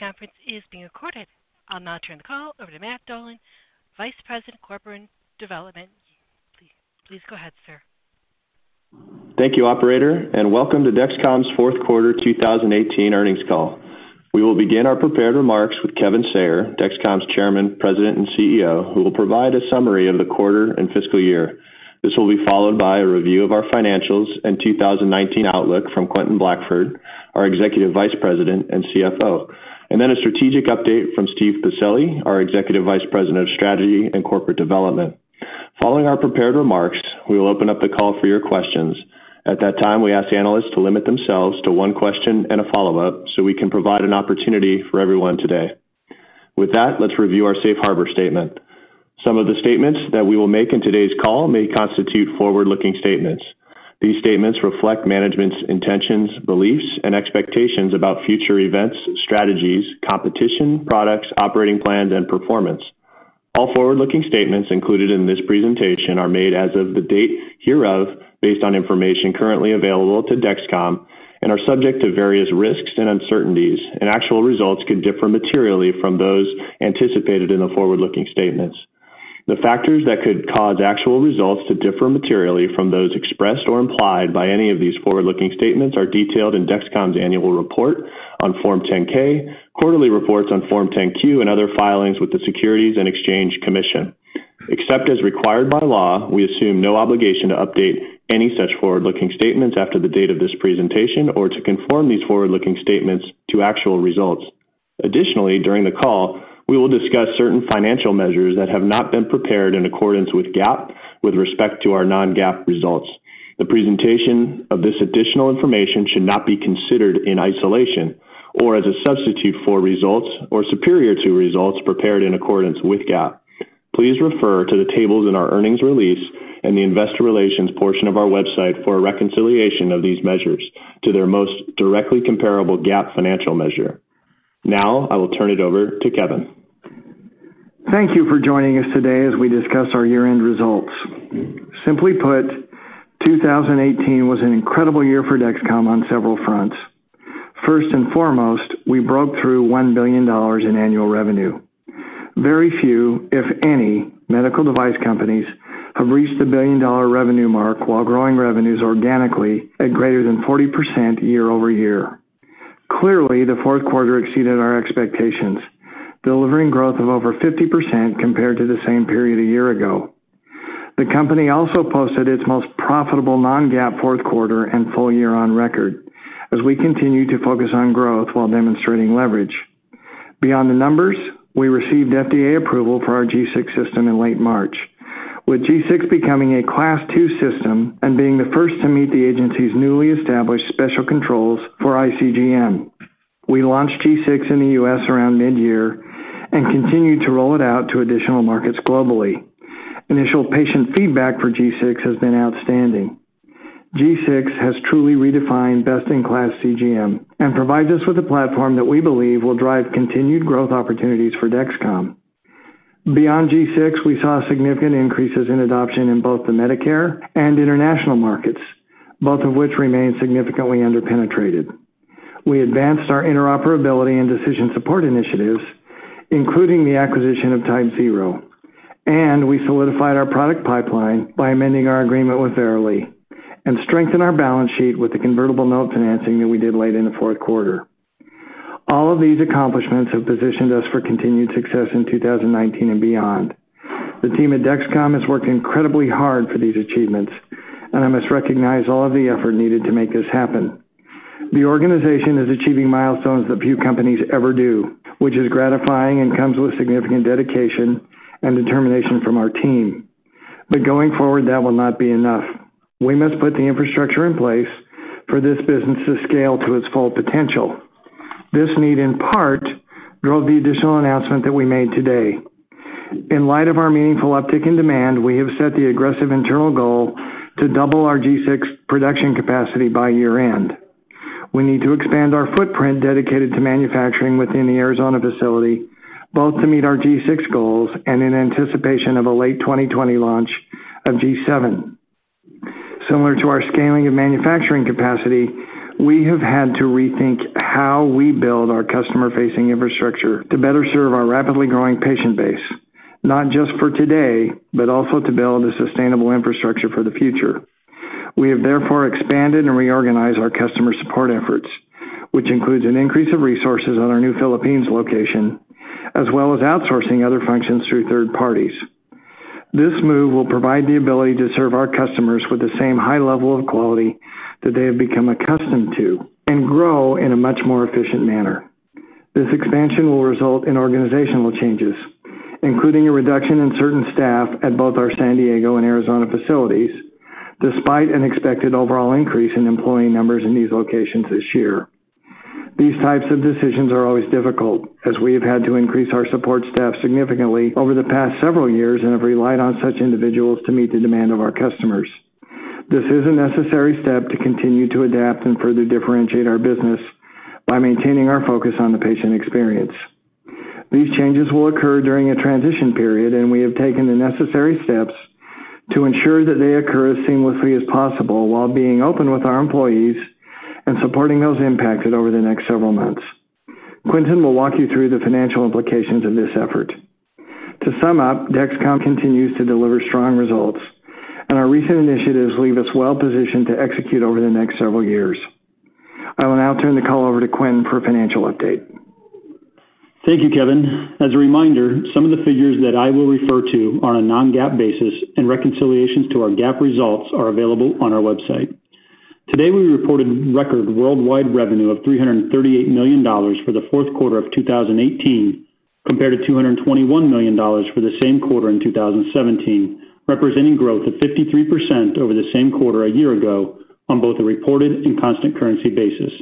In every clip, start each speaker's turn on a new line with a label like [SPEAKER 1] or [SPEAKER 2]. [SPEAKER 1] This conference is being recorded. I'll now turn the call over to Matt Dolan, Vice President, Corporate Development. Please go ahead, sir.
[SPEAKER 2] Thank you, Operator, and welcome to Dexcom's Fourth Quarter 2018 Earnings Call. We will begin our prepared remarks with Kevin Sayer, Dexcom's Chairman, President, and CEO, who will provide a summary of the quarter and fiscal year. This will be followed by a review of our financials and 2019 outlook from Quentin Blackford, our Executive Vice President and CFO, and then a strategic update from Steve Pacelli, our Executive Vice President of Strategy and Corporate Development. Following our prepared remarks, we will open up the call for your questions. At that time, we ask analysts to limit themselves to one question and a follow-up so we can provide an opportunity for everyone today. With that, let's review our Safe Harbor Statement. Some of the statements that we will make in today's call may constitute forward-looking statements. These statements reflect management's intentions, beliefs, and expectations about future events, strategies, competition, products, operating plans, and performance. All forward-looking statements included in this presentation are made as of the date hereof based on information currently available to Dexcom and are subject to various risks and uncertainties, and actual results could differ materially from those anticipated in the forward-looking statements. The factors that could cause actual results to differ materially from those expressed or implied by any of these forward-looking statements are detailed in Dexcom's annual report on Form 10-K, quarterly reports on Form 10-Q, and other filings with the Securities and Exchange Commission. Except as required by law, we assume no obligation to update any such forward-looking statements after the date of this presentation or to conform these forward-looking statements to actual results. Additionally, during the call, we will discuss certain financial measures that have not been prepared in accordance with GAAP with respect to our non-GAAP results. The presentation of this additional information should not be considered in isolation or as a substitute for results or superior to results prepared in accordance with GAAP. Please refer to the tables in our earnings release and the investor relations portion of our website for a reconciliation of these measures to their most directly comparable GAAP financial measure. Now, I will turn it over to Kevin.
[SPEAKER 3] Thank you for joining us today as we discuss our year-end results. Simply put, 2018 was an incredible year for Dexcom on several fronts. First and foremost, we broke through $1 billion in annual revenue. Very few, if any, medical device companies have reached the billion-dollar revenue mark while growing revenues organically at greater than 40% year-over-year. Clearly, the fourth quarter exceeded our expectations, delivering growth of over 50% compared to the same period a year ago. The company also posted its most profitable non-GAAP fourth quarter and full year on record as we continue to focus on growth while demonstrating leverage. Beyond the numbers, we received FDA approval for our G6 system in late March, with G6 becoming a Class II system and being the first to meet the agency's newly established special controls for iCGM. We launched G6 in the U.S. around mid-year and continued to roll it out to additional markets globally. Initial patient feedback for G6 has been outstanding. G6 has truly redefined best-in-class CGM and provides us with a platform that we believe will drive continued growth opportunities for Dexcom. Beyond G6, we saw significant increases in adoption in both the Medicare and international markets, both of which remain significantly underpenetrated. We advanced our interoperability and decision support initiatives, including the acquisition of TypeZero, and we solidified our product pipeline by amending our agreement with Verily and strengthened our balance sheet with the convertible note financing that we did late in the fourth quarter. All of these accomplishments have positioned us for continued success in 2019 and beyond. The team at Dexcom has worked incredibly hard for these achievements, and I must recognize all of the effort needed to make this happen. The organization is achieving milestones that few companies ever do, which is gratifying and comes with significant dedication and determination from our team. But going forward, that will not be enough. We must put the infrastructure in place for this business to scale to its full potential. This need, in part, drove the additional announcement that we made today. In light of our meaningful uptick in demand, we have set the aggressive internal goal to double our G6 production capacity by year-end. We need to expand our footprint dedicated to manufacturing within the Arizona facility, both to meet our G6 goals and in anticipation of a late 2020 launch of G7. Similar to our scaling of manufacturing capacity, we have had to rethink how we build our customer-facing infrastructure to better serve our rapidly growing patient base, not just for today, but also to build a sustainable infrastructure for the future. We have therefore expanded and reorganized our customer support efforts, which includes an increase of resources on our new Philippines location, as well as outsourcing other functions through third parties. This move will provide the ability to serve our customers with the same high level of quality that they have become accustomed to and grow in a much more efficient manner. This expansion will result in organizational changes, including a reduction in certain staff at both our San Diego and Arizona facilities, despite an expected overall increase in employee numbers in these locations this year. These types of decisions are always difficult, as we have had to increase our support staff significantly over the past several years and have relied on such individuals to meet the demand of our customers. This is a necessary step to continue to adapt and further differentiate our business by maintaining our focus on the patient experience. These changes will occur during a transition period, and we have taken the necessary steps to ensure that they occur as seamlessly as possible while being open with our employees and supporting those impacted over the next several months. Quentin will walk you through the financial implications of this effort. To sum up, Dexcom continues to deliver strong results, and our recent initiatives leave us well positioned to execute over the next several years. I will now turn the call over to Quentin for a financial update.
[SPEAKER 4] Thank you, Kevin. As a reminder, some of the figures that I will refer to are on a non-GAAP basis, and reconciliations to our GAAP results are available on our website. Today, we reported record worldwide revenue of $338 million for the fourth quarter of 2018 compared to $221 million for the same quarter in 2017, representing growth of 53% over the same quarter a year ago on both a reported and constant currency basis,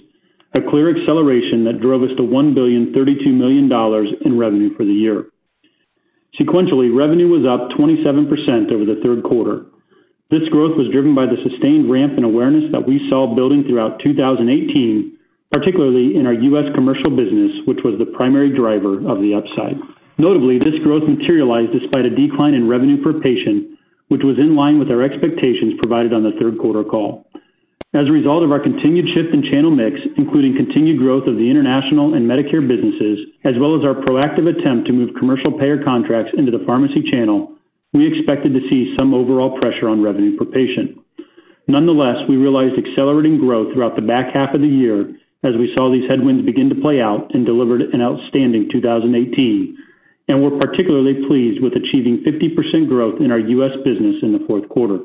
[SPEAKER 4] a clear acceleration that drove us to $1 billion and $32 million in revenue for the year. Sequentially, revenue was up 27% over the third quarter. This growth was driven by the sustained ramp in awareness that we saw building throughout 2018, particularly in our U.S. commercial business, which was the primary driver of the upside. Notably, this growth materialized despite a decline in revenue per patient, which was in line with our expectations provided on the third quarter call. As a result of our continued shift in channel mix, including continued growth of the international and Medicare businesses, as well as our proactive attempt to move commercial payer contracts into the pharmacy channel, we expected to see some overall pressure on revenue per patient. Nonetheless, we realized accelerating growth throughout the back half of the year as we saw these headwinds begin to play out and delivered an outstanding 2018, and we're particularly pleased with achieving 50% growth in our U.S. business in the fourth quarter.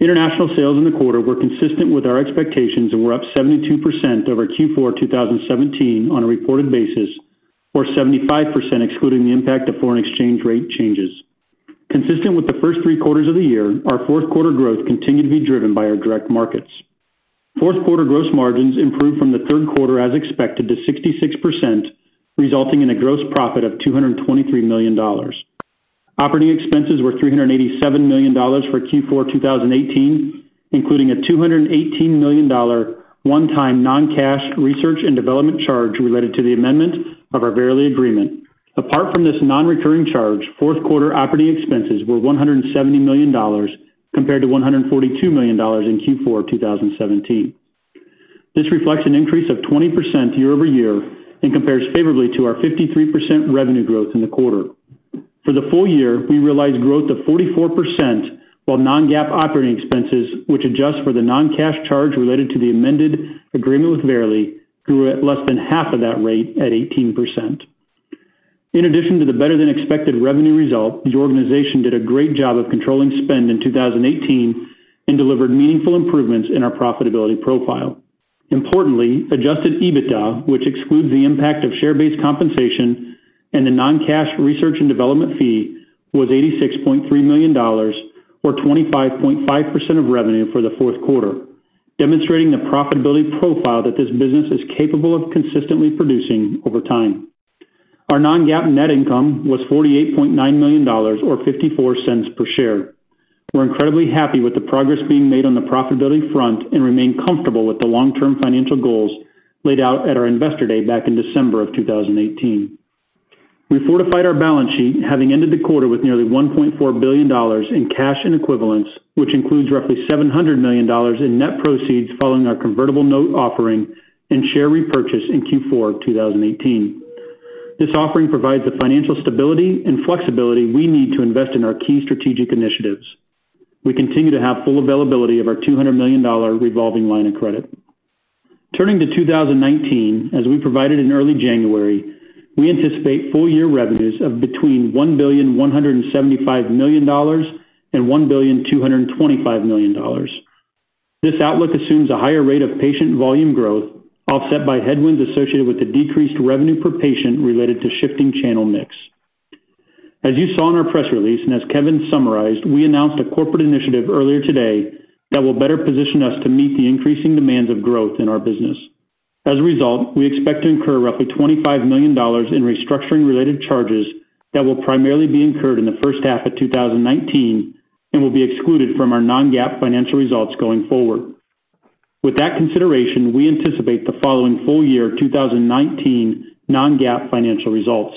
[SPEAKER 4] International sales in the quarter were consistent with our expectations and were up 72% over Q4 2017 on a reported basis, or 75% excluding the impact of foreign exchange rate changes. Consistent with the first three quarters of the year, our fourth quarter growth continued to be driven by our direct markets. Fourth quarter gross margins improved from the third quarter as expected to 66%, resulting in a gross profit of $223 million. Operating expenses were $387 million for Q4 2018, including a $218 million one-time non-cash research and development charge related to the amendment of our Verily agreement. Apart from this non-recurring charge, fourth quarter operating expenses were $170 million compared to $142 million in Q4 2017. This reflects an increase of 20% year-over-year and compares favorably to our 53% revenue growth in the quarter. For the full year, we realized growth of 44%, while non-GAAP operating expenses, which adjust for the non-cash charge related to the amended agreement with Verily, grew at less than half of that rate at 18%. In addition to the better-than-expected revenue result, the organization did a great job of controlling spend in 2018 and delivered meaningful improvements in our profitability profile. Importantly, Adjusted EBITDA, which excludes the impact of share-based compensation and the non-cash research and development fee, was $86.3 million, or 25.5% of revenue for the fourth quarter, demonstrating the profitability profile that this business is capable of consistently producing over time. Our non-GAAP net income was $48.9 million, or $0.54 per share. We're incredibly happy with the progress being made on the profitability front and remain comfortable with the long-term financial goals laid out at our investor day back in December of 2018. We fortified our balance sheet, having ended the quarter with nearly $1.4 billion in cash and equivalents, which includes roughly $700 million in net proceeds following our convertible note offering and share repurchase in Q4 2018. This offering provides the financial stability and flexibility we need to invest in our key strategic initiatives. We continue to have full availability of our $200 million revolving line of credit. Turning to 2019, as we provided in early January, we anticipate full-year revenues of between $1.175 billion and $1.225 billion. This outlook assumes a higher rate of patient volume growth, offset by headwinds associated with the decreased revenue per patient related to shifting channel mix. As you saw in our press release and as Kevin summarized, we announced a corporate initiative earlier today that will better position us to meet the increasing demands of growth in our business. As a result, we expect to incur roughly $25 million in restructuring-related charges that will primarily be incurred in the first half of 2019 and will be excluded from our non-GAAP financial results going forward. With that consideration, we anticipate the following full-year 2019 non-GAAP financial results: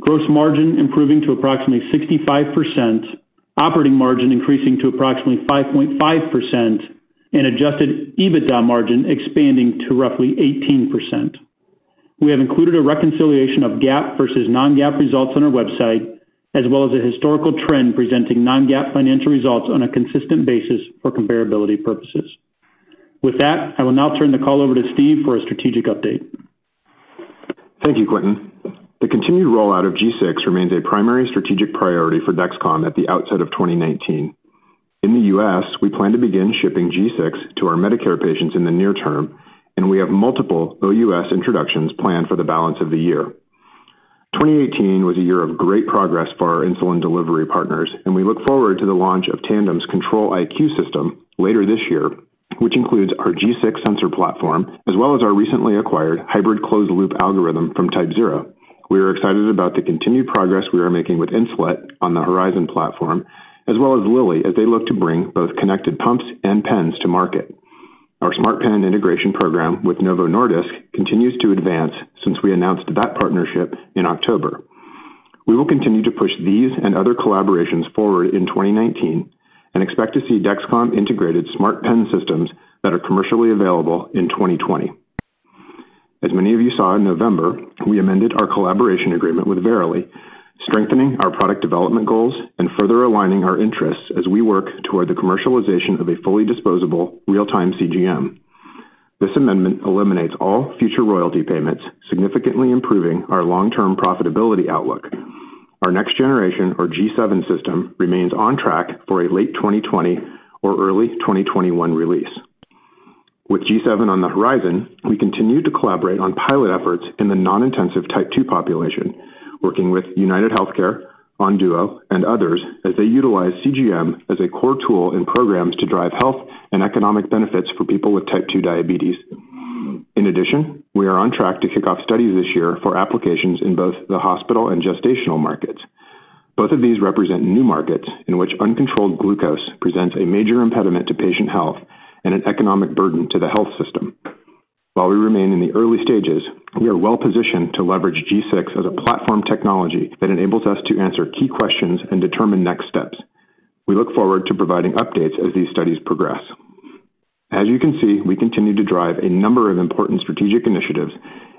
[SPEAKER 4] gross margin improving to approximately 65%, operating margin increasing to approximately 5.5%, and Adjusted EBITDA margin expanding to roughly 18%. We have included a reconciliation of GAAP versus non-GAAP results on our website, as well as a historical trend presenting non-GAAP financial results on a consistent basis for comparability purposes. With that, I will now turn the call over to Steve for a strategic update.
[SPEAKER 5] Thank you, Quentin. The continued rollout of G6 remains a primary strategic priority for Dexcom at the outset of 2019. In the U.S., we plan to begin shipping G6 to our Medicare patients in the near term, and we have multiple OUS introductions planned for the balance of the year. 2018 was a year of great progress for our insulin delivery partners, and we look forward to the launch of Tandem's Control-IQ system later this year, which includes our G6 sensor platform, as well as our recently acquired hybrid closed-loop algorithm from TypeZero. We are excited about the continued progress we are making with Insulet on the Horizon platform, as well as Lilly as they look to bring both connected pumps and pens to market. Our smart pen integration program with Novo Nordisk continues to advance since we announced that partnership in October. We will continue to push these and other collaborations forward in 2019 and expect to see Dexcom integrated smart pen systems that are commercially available in 2020. As many of you saw in November, we amended our collaboration agreement with Verily, strengthening our product development goals and further aligning our interests as we work toward the commercialization of a fully disposable real-time CGM. This amendment eliminates all future royalty payments, significantly improving our long-term profitability outlook. Our next generation, or G7 system, remains on track for a late 2020 or early 2021 release. With G7 on the horizon, we continue to collaborate on pilot efforts in the non-intensive type 2 population, working with UnitedHealthcare, Onduo, and others as they utilize CGM as a core tool in programs to drive health and economic benefits for people with type 2 diabetes. In addition, we are on track to kick off studies this year for applications in both the hospital and gestational markets. Both of these represent new markets in which uncontrolled glucose presents a major impediment to patient health and an economic burden to the health system. While we remain in the early stages, we are well positioned to leverage G6 as a platform technology that enables us to answer key questions and determine next steps. We look forward to providing updates as these studies progress. As you can see, we continue to drive a number of important strategic initiatives,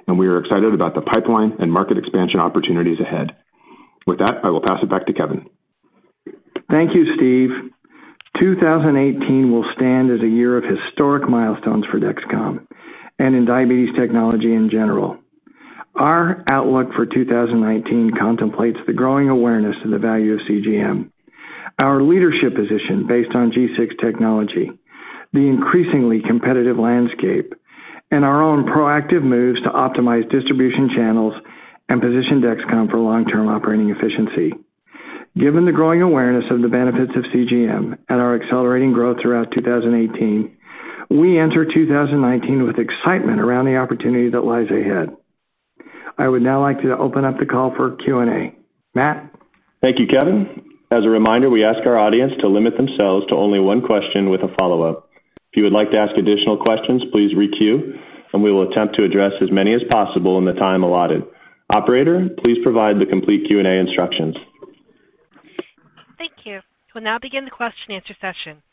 [SPEAKER 5] and we are excited about the pipeline and market expansion opportunities ahead. With that, I will pass it back to Kevin.
[SPEAKER 3] Thank you, Steve. 2018 will stand as a year of historic milestones for Dexcom and in diabetes technology in general. Our outlook for 2019 contemplates the growing awareness of the value of CGM, our leadership position based on G6 technology, the increasingly competitive landscape, and our own proactive moves to optimize distribution channels and position Dexcom for long-term operating efficiency. Given the growing awareness of the benefits of CGM and our accelerating growth throughout 2018, we enter 2019 with excitement around the opportunity that lies ahead. I would now like to open up the call for Q&A. Matt.
[SPEAKER 2] Thank you, Kevin. As a reminder, we ask our audience to limit themselves to only one question with a follow-up. If you would like to ask additional questions, please requeue, and we will attempt to address as many as possible in the time allotted. Operator, please provide the complete Q&A instructions.
[SPEAKER 1] Thank you. We'll now begin the question-and-answer session.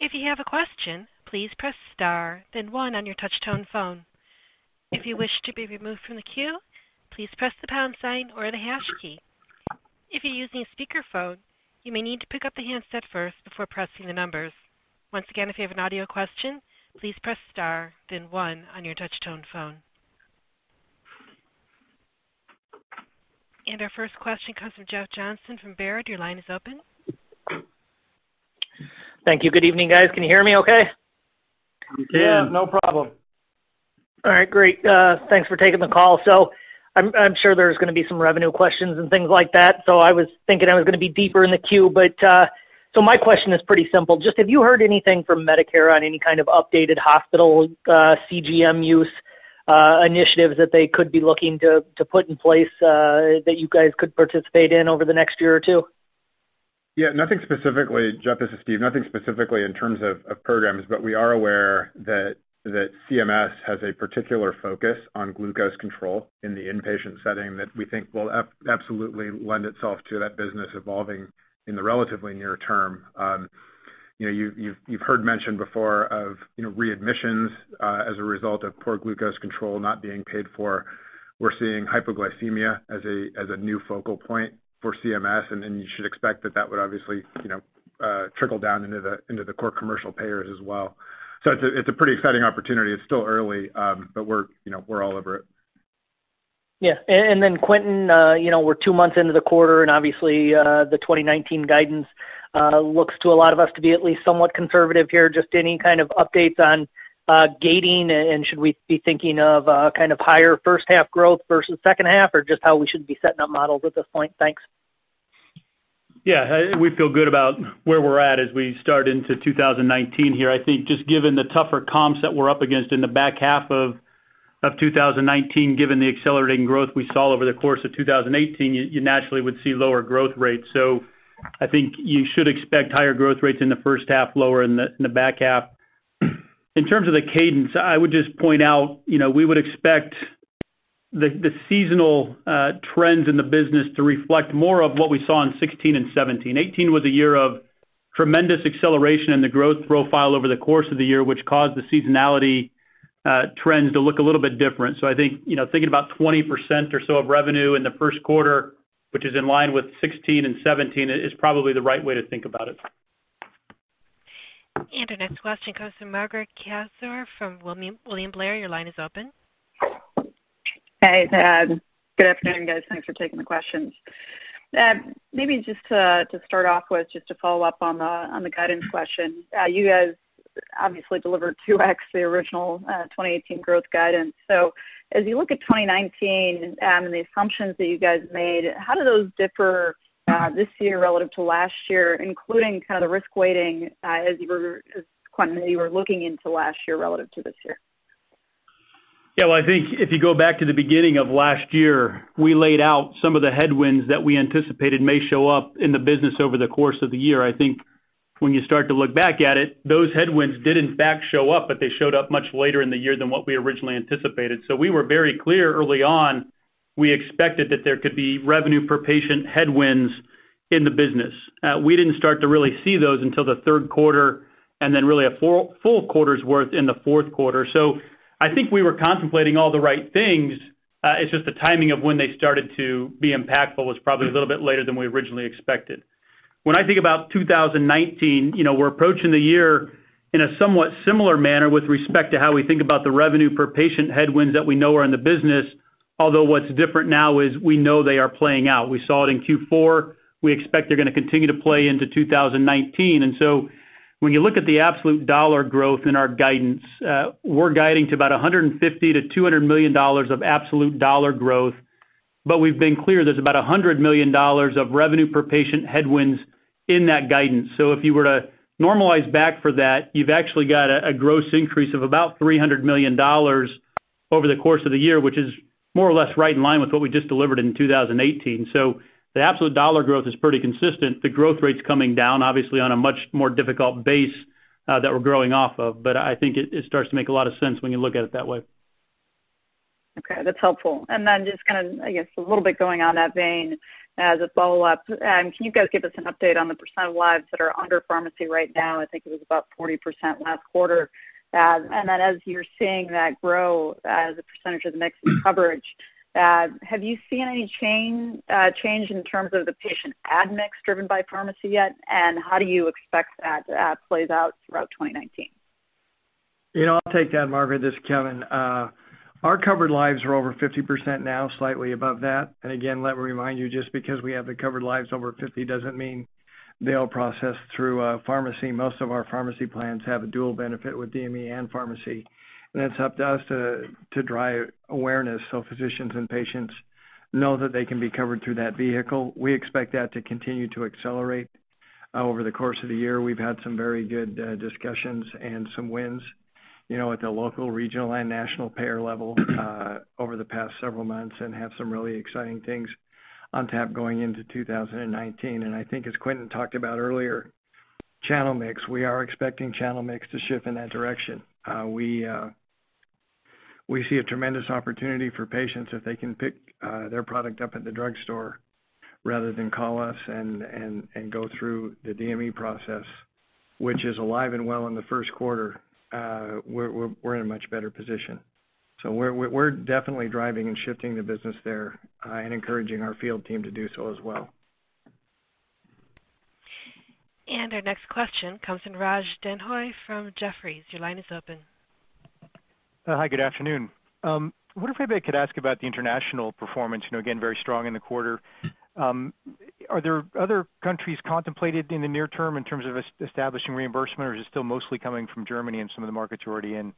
[SPEAKER 1] If you have a question, please press star, then one on your touch-tone phone. If you wish to be removed from the queue, please press the pound sign or the hash key. If you're using a speakerphone, you may need to pick up the handset first before pressing the numbers. Once again, if you have an audio question, please press star, then one on your Touch-Tone phone. Our first question comes from Jeff Johnson from Baird. Your line is open.
[SPEAKER 6] Thank you. Good evening, guys. Can you hear me okay?
[SPEAKER 3] We can.
[SPEAKER 4] No problem.
[SPEAKER 6] All right. Great. Thanks for taking the call. So I'm sure there's going to be some revenue questions and things like that. So I was thinking I was going to be deeper in the queue. So my question is pretty simple. Just have you heard anything from Medicare on any kind of updated hospital CGM use initiatives that they could be looking to put in place that you guys could participate in over the next year or two?
[SPEAKER 5] Yeah. Nothing specifically, Jeff. This is Steve. Nothing specifically in terms of programs, but we are aware that CMS has a particular focus on glucose control in the inpatient setting that we think will absolutely lend itself to that business evolving in the relatively near term. You've heard mentioned before of readmissions as a result of poor glucose control not being paid for. We're seeing hypoglycemia as a new focal point for CMS, and you should expect that that would obviously trickle down into the core commercial payers as well. So it's a pretty exciting opportunity. It's still early, but we're all over it.
[SPEAKER 6] Yeah. And then, Quentin, we're two months into the quarter, and obviously, the 2019 guidance looks to a lot of us to be at least somewhat conservative here. Just any kind of updates on gating and should we be thinking of kind of higher first-half growth versus second-half, or just how we should be setting up models at this point? Thanks.
[SPEAKER 4] Yeah. We feel good about where we're at as we start into 2019 here. I think just given the tougher comps that we're up against in the back half of 2019, given the accelerating growth we saw over the course of 2018, you naturally would see lower growth rates. So I think you should expect higher growth rates in the first half, lower in the back half. In terms of the cadence, I would just point out we would expect the seasonal trends in the business to reflect more of what we saw in 2016 and 2017. 2018 was a year of tremendous acceleration in the growth profile over the course of the year, which caused the seasonality trends to look a little bit different. I think thinking about 20% or so of revenue in the first quarter, which is in line with 2016 and 2017, is probably the right way to think about it.
[SPEAKER 1] Our next question comes from Margaret Kaczor from William Blair. Your line is open.
[SPEAKER 6] Hey. Good afternoon, guys. Thanks for taking the questions. Maybe just to start off with just a follow-up on the guidance question. You guys obviously delivered 2X the original 2018 growth guidance. So as you look at 2019 and the assumptions that you guys made, how do those differ this year relative to last year, including kind of the risk weighting as you were looking into last year relative to this year?
[SPEAKER 4] Yeah. Well, I think if you go back to the beginning of last year, we laid out some of the headwinds that we anticipated may show up in the business over the course of the year. I think when you start to look back at it, those headwinds did, in fact, show up, but they showed up much later in the year than what we originally anticipated. So we were very clear early on we expected that there could be revenue per patient headwinds in the business. We didn't start to really see those until the third quarter and then really a full quarter's worth in the fourth quarter. So I think we were contemplating all the right things. It's just the timing of when they started to be impactful was probably a little bit later than we originally expected. When I think about 2019, we're approaching the year in a somewhat similar manner with respect to how we think about the revenue per patient headwinds that we know are in the business, although what's different now is we know they are playing out. We saw it in Q4. We expect they're going to continue to play into 2019. And so when you look at the absolute dollar growth in our guidance, we're guiding to about $150 million-$200 million of absolute dollar growth, but we've been clear there's about $100 million of revenue per patient headwinds in that guidance. So if you were to normalize back for that, you've actually got a gross increase of about $300 million over the course of the year, which is more or less right in line with what we just delivered in 2018. So the absolute dollar growth is pretty consistent. The growth rate's coming down, obviously, on a much more difficult base that we're growing off of, but I think it starts to make a lot of sense when you look at it that way.
[SPEAKER 7] Okay. That's helpful. And then just kind of, I guess, a little bit going on that vein as a follow-up, can you guys give us an update on the percent of lives that are under pharmacy right now? I think it was about 40% last quarter. And then as you're seeing that grow as a percentage of the mix and coverage, have you seen any change in terms of the patient admix driven by pharmacy yet, and how do you expect that plays out throughout 2019?
[SPEAKER 3] I'll take that, Margaret. This is Kevin. Our covered lives are over 50% now, slightly above that, and again, let me remind you, just because we have the covered lives over 50% doesn't mean they all process through pharmacy. Most of our pharmacy plans have a dual benefit with DME and pharmacy, and it's up to us to drive awareness so physicians and patients know that they can be covered through that vehicle. We expect that to continue to accelerate over the course of the year. We've had some very good discussions and some wins at the local, regional, and national payer level over the past several months and have some really exciting things on tap going into 2019, and I think, as Quentin talked about earlier, channel mix. We are expecting channel mix to shift in that direction. We see a tremendous opportunity for patients if they can pick their product up at the drugstore rather than call us and go through the DME process, which is alive and well in the first quarter. We're in a much better position. So we're definitely driving and shifting the business there and encouraging our field team to do so as well.
[SPEAKER 1] Our next question comes from Raj Denhoy from Jefferies. Your line is open.
[SPEAKER 8] Hi. Good afternoon. I wonder if anybody could ask about the international performance. Again, very strong in the quarter. Are there other countries contemplated in the near term in terms of establishing reimbursement, or is it still mostly coming from Germany and some of the markets you're already in?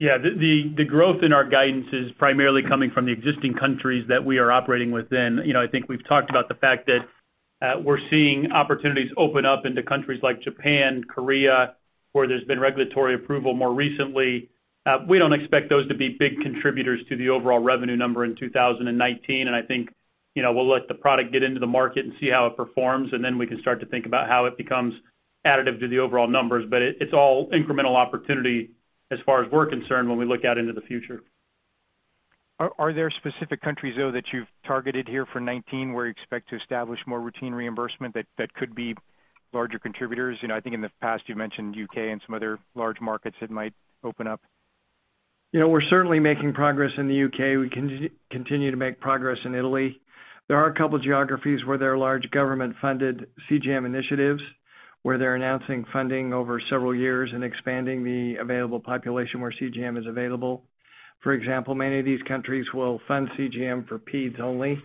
[SPEAKER 4] Yeah. The growth in our guidance is primarily coming from the existing countries that we are operating within. I think we've talked about the fact that we're seeing opportunities open up into countries like Japan, Korea, where there's been regulatory approval more recently. We don't expect those to be big contributors to the overall revenue number in 2019, and I think we'll let the product get into the market and see how it performs, and then we can start to think about how it becomes additive to the overall numbers. But it's all incremental opportunity as far as we're concerned when we look out into the future.
[SPEAKER 8] Are there specific countries, though, that you've targeted here for 2019 where you expect to establish more routine reimbursement that could be larger contributors? I think in the past you've mentioned the U.K. and some other large markets that might open up.
[SPEAKER 3] We're certainly making progress in the U.K. We continue to make progress in Italy. There are a couple of geographies where there are large government-funded CGM initiatives where they're announcing funding over several years and expanding the available population where CGM is available. For example, many of these countries will fund CGM for peds only,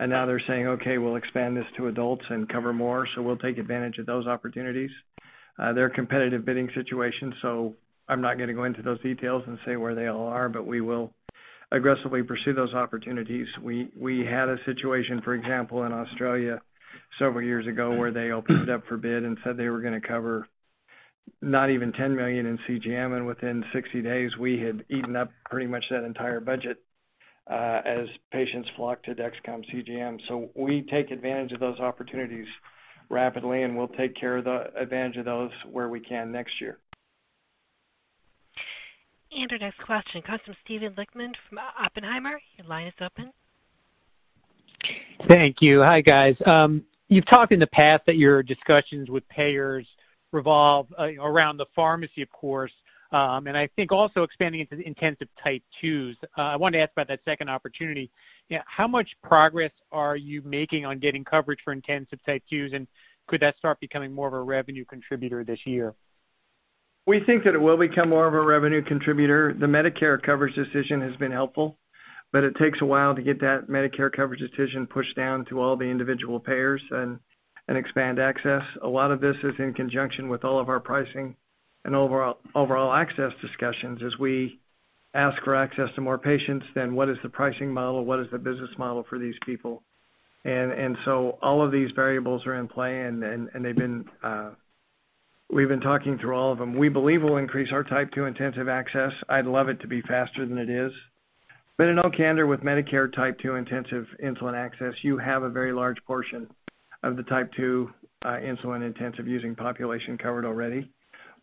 [SPEAKER 3] and now they're saying, "Okay, we'll expand this to adults and cover more." So we'll take advantage of those opportunities. They're competitive bidding situations, so I'm not going to go into those details and say where they all are, but we will aggressively pursue those opportunities. We had a situation, for example, in Australia several years ago where they opened up for bid and said they were going to cover not even 10 million in CGM, and within 60 days, we had eaten up pretty much that entire budget as patients flocked to Dexcom CGM. We take advantage of those opportunities rapidly, and we'll take care of the advantage of those where we can next year.
[SPEAKER 1] Our next question comes from Steven Lichtman from Oppenheimer. Your line is open.
[SPEAKER 9] Thank you. Hi, guys. You've talked in the past that your discussions with payers revolve around the pharmacy, of course, and I think also expanding into intensive type 2s. I wanted to ask about that second opportunity. How much progress are you making on getting coverage for intensive type 2s, and could that start becoming more of a revenue contributor this year?
[SPEAKER 3] We think that it will become more of a revenue contributor. The Medicare coverage decision has been helpful, but it takes a while to get that Medicare coverage decision pushed down to all the individual payers and expand access. A lot of this is in conjunction with all of our pricing and overall access discussions as we ask for access to more patients than what is the pricing model, what is the business model for these people. And so all of these variables are in play, and we've been talking through all of them. We believe we'll increase our type 2 intensive access. I'd love it to be faster than it is. But in all candor, with Medicare type 2 intensive insulin access, you have a very large portion of the type 2 insulin-intensive using population covered already.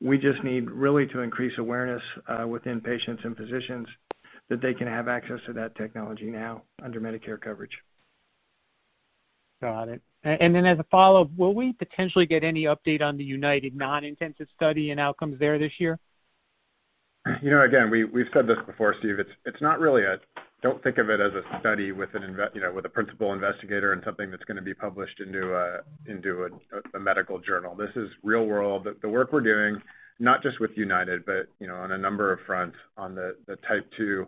[SPEAKER 3] We just need really to increase awareness within patients and physicians that they can have access to that technology now under Medicare coverage.
[SPEAKER 9] Got it. And then as a follow-up, will we potentially get any update on the United non-intensive study and outcomes there this year?
[SPEAKER 5] Again, we've said this before, Steve. It's not really. Don't think of it as a study with a principal investigator and something that's going to be published into a medical journal. This is real-world. The work we're doing, not just with United, but on a number of fronts on the type 2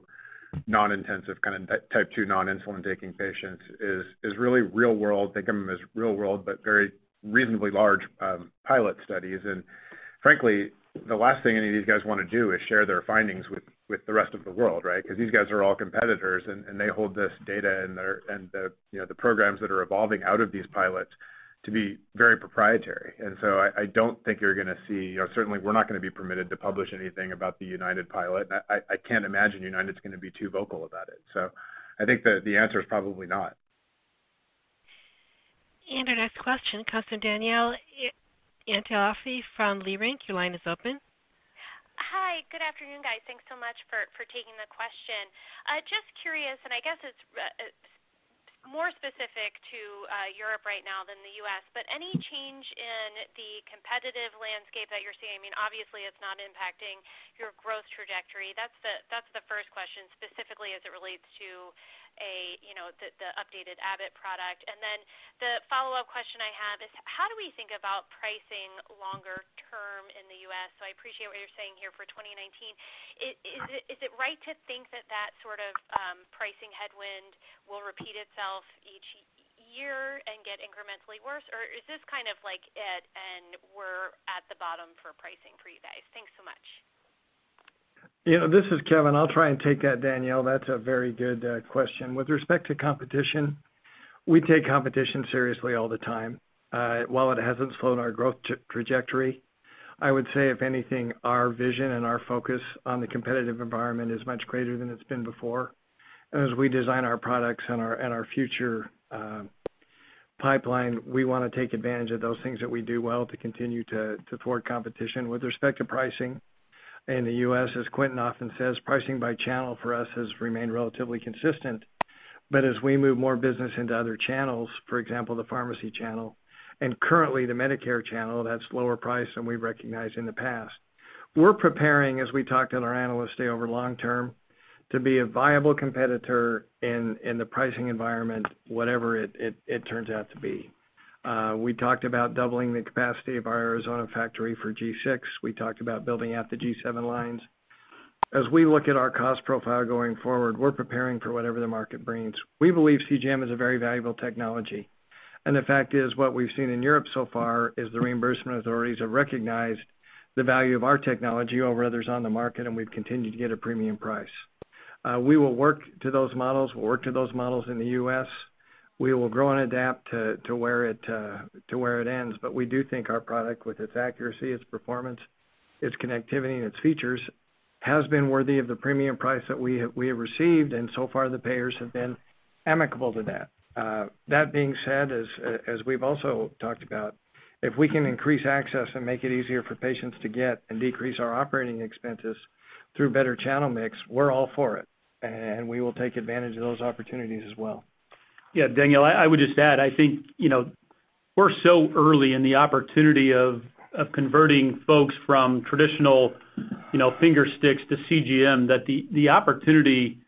[SPEAKER 5] non-intensive, kind of type 2 non-insulin-taking patients, is really real-world. Think of them as real-world, but very reasonably large pilot studies. And frankly, the last thing any of these guys want to do is share their findings with the rest of the world, right? Because these guys are all competitors, and they hold this data and the programs that are evolving out of these pilots to be very proprietary. And so I don't think you're going to see, certainly, we're not going to be permitted to publish anything about the United pilot. I can't imagine United's going to be too vocal about it. So I think the answer is probably not.
[SPEAKER 1] Our next question comes from Danielle Antalffy from Leerink. Your line is open.
[SPEAKER 10] Hi. Good afternoon, guys. Thanks so much for taking the question. Just curious, and I guess it's more specific to Europe right now than the U.S., but any change in the competitive landscape that you're seeing? I mean, obviously, it's not impacting your growth trajectory. That's the first question, specifically as it relates to the updated Abbott product. And then the follow-up question I have is, how do we think about pricing longer-term in the U.S.? So I appreciate what you're saying here for 2019. Is it right to think that that sort of pricing headwind will repeat itself each year and get incrementally worse, or is this kind of like an "we're at the bottom" for pricing for you guys? Thanks so much.
[SPEAKER 3] This is Kevin. I'll try and take that, Danielle. That's a very good question. With respect to competition, we take competition seriously all the time. While it hasn't slowed our growth trajectory, I would say, if anything, our vision and our focus on the competitive environment is much greater than it's been before, and as we design our products and our future pipeline, we want to take advantage of those things that we do well to continue to thwart competition. With respect to pricing in the U.S., as Quentin often says, pricing by channel for us has remained relatively consistent. But as we move more business into other channels, for example, the pharmacy channel and currently the Medicare channel, that's lower price than we recognized in the past. We're preparing, as we talked to our analysts today over long-term, to be a viable competitor in the pricing environment, whatever it turns out to be. We talked about doubling the capacity of our Arizona factory for G6. We talked about building out the G7 lines. As we look at our cost profile going forward, we're preparing for whatever the market brings. We believe CGM is a very valuable technology. And the fact is, what we've seen in Europe so far is the reimbursement authorities have recognized the value of our technology over others on the market, and we've continued to get a premium price. We will work to those models. We'll work to those models in the U.S. We will grow and adapt to where it ends. But we do think our product, with its accuracy, its performance, its connectivity, and its features, has been worthy of the premium price that we have received, and so far, the payers have been amenable to that. That being said, as we've also talked about, if we can increase access and make it easier for patients to get and decrease our operating expenses through better channel mix, we're all for it, and we will take advantage of those opportunities as well.
[SPEAKER 4] Yeah. Danielle, I would just add, I think we're so early in the opportunity of converting folks from traditional finger sticks to CGM that the opportunity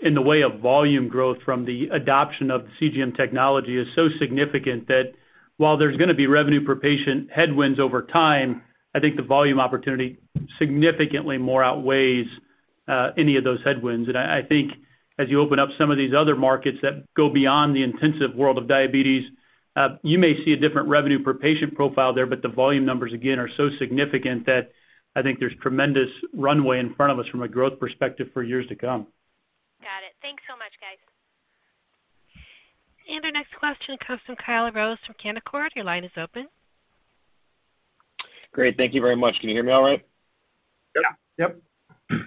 [SPEAKER 4] in the way of volume growth from the adoption of CGM technology is so significant that while there's going to be revenue per patient headwinds over time, I think the volume opportunity significantly more outweighs any of those headwinds. And I think as you open up some of these other markets that go beyond the intensive world of diabetes, you may see a different revenue per patient profile there, but the volume numbers, again, are so significant that I think there's tremendous runway in front of us from a growth perspective for years to come.
[SPEAKER 10] Got it. Thanks so much, guys.
[SPEAKER 1] And our next question comes from Kyle Rose from Canaccord. Your line is open.
[SPEAKER 11] Great. Thank you very much. Can you hear me all right?
[SPEAKER 3] Yep.
[SPEAKER 4] Yep.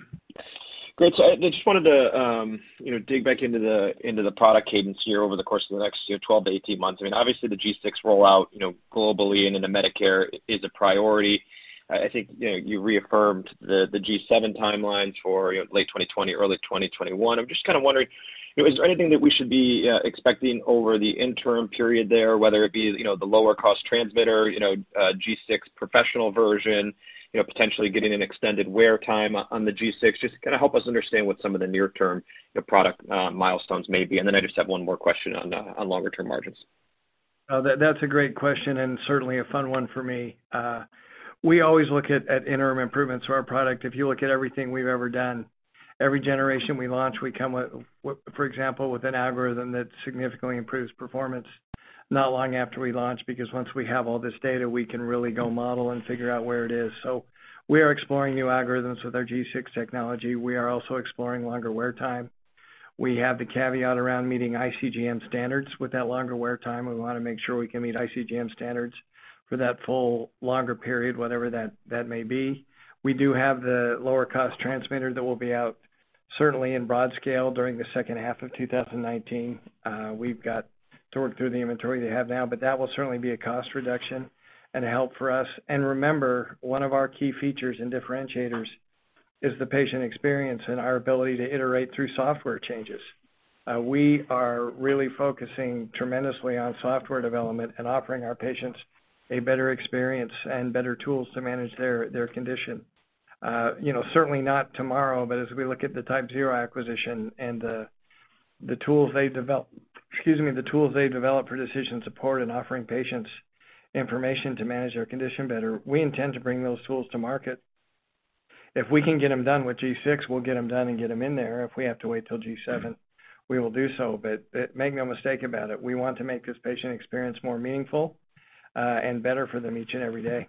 [SPEAKER 11] Great. So I just wanted to dig back into the product cadence here over the course of the next 12-18 months. I mean, obviously, the G6 rollout globally and into Medicare is a priority. I think you reaffirmed the G7 timelines for late 2020, early 2021. I'm just kind of wondering, is there anything that we should be expecting over the interim period there, whether it be the lower-cost transmitter, G6 professional version, potentially getting an extended wear time on the G6? Just kind of help us understand what some of the near-term product milestones may be. And then I just have one more question on longer-term margins.
[SPEAKER 3] That's a great question and certainly a fun one for me. We always look at interim improvements to our product. If you look at everything we've ever done, every generation we launch, we come with, for example, with an algorithm that significantly improves performance not long after we launch because once we have all this data, we can really go model and figure out where it is. So we are exploring new algorithms with our G6 technology. We are also exploring longer wear time. We have the caveat around meeting iCGM standards with that longer wear time. We want to make sure we can meet iCGM standards for that full longer period, whatever that may be. We do have the lower-cost transmitter that will be out certainly in broad scale during the second half of 2019. We've got to work through the inventory they have now, but that will certainly be a cost reduction and a help for us. And remember, one of our key features and differentiators is the patient experience and our ability to iterate through software changes. We are really focusing tremendously on software development and offering our patients a better experience and better tools to manage their condition. Certainly not tomorrow, but as we look at the type 2 acquisition and the tools they develop, excuse me, the tools they develop for decision support and offering patients information to manage their condition better, we intend to bring those tools to market. If we can get them done with G6, we'll get them done and get them in there. If we have to wait till G7, we will do so. Make no mistake about it, we want to make this patient experience more meaningful and better for them each and every day.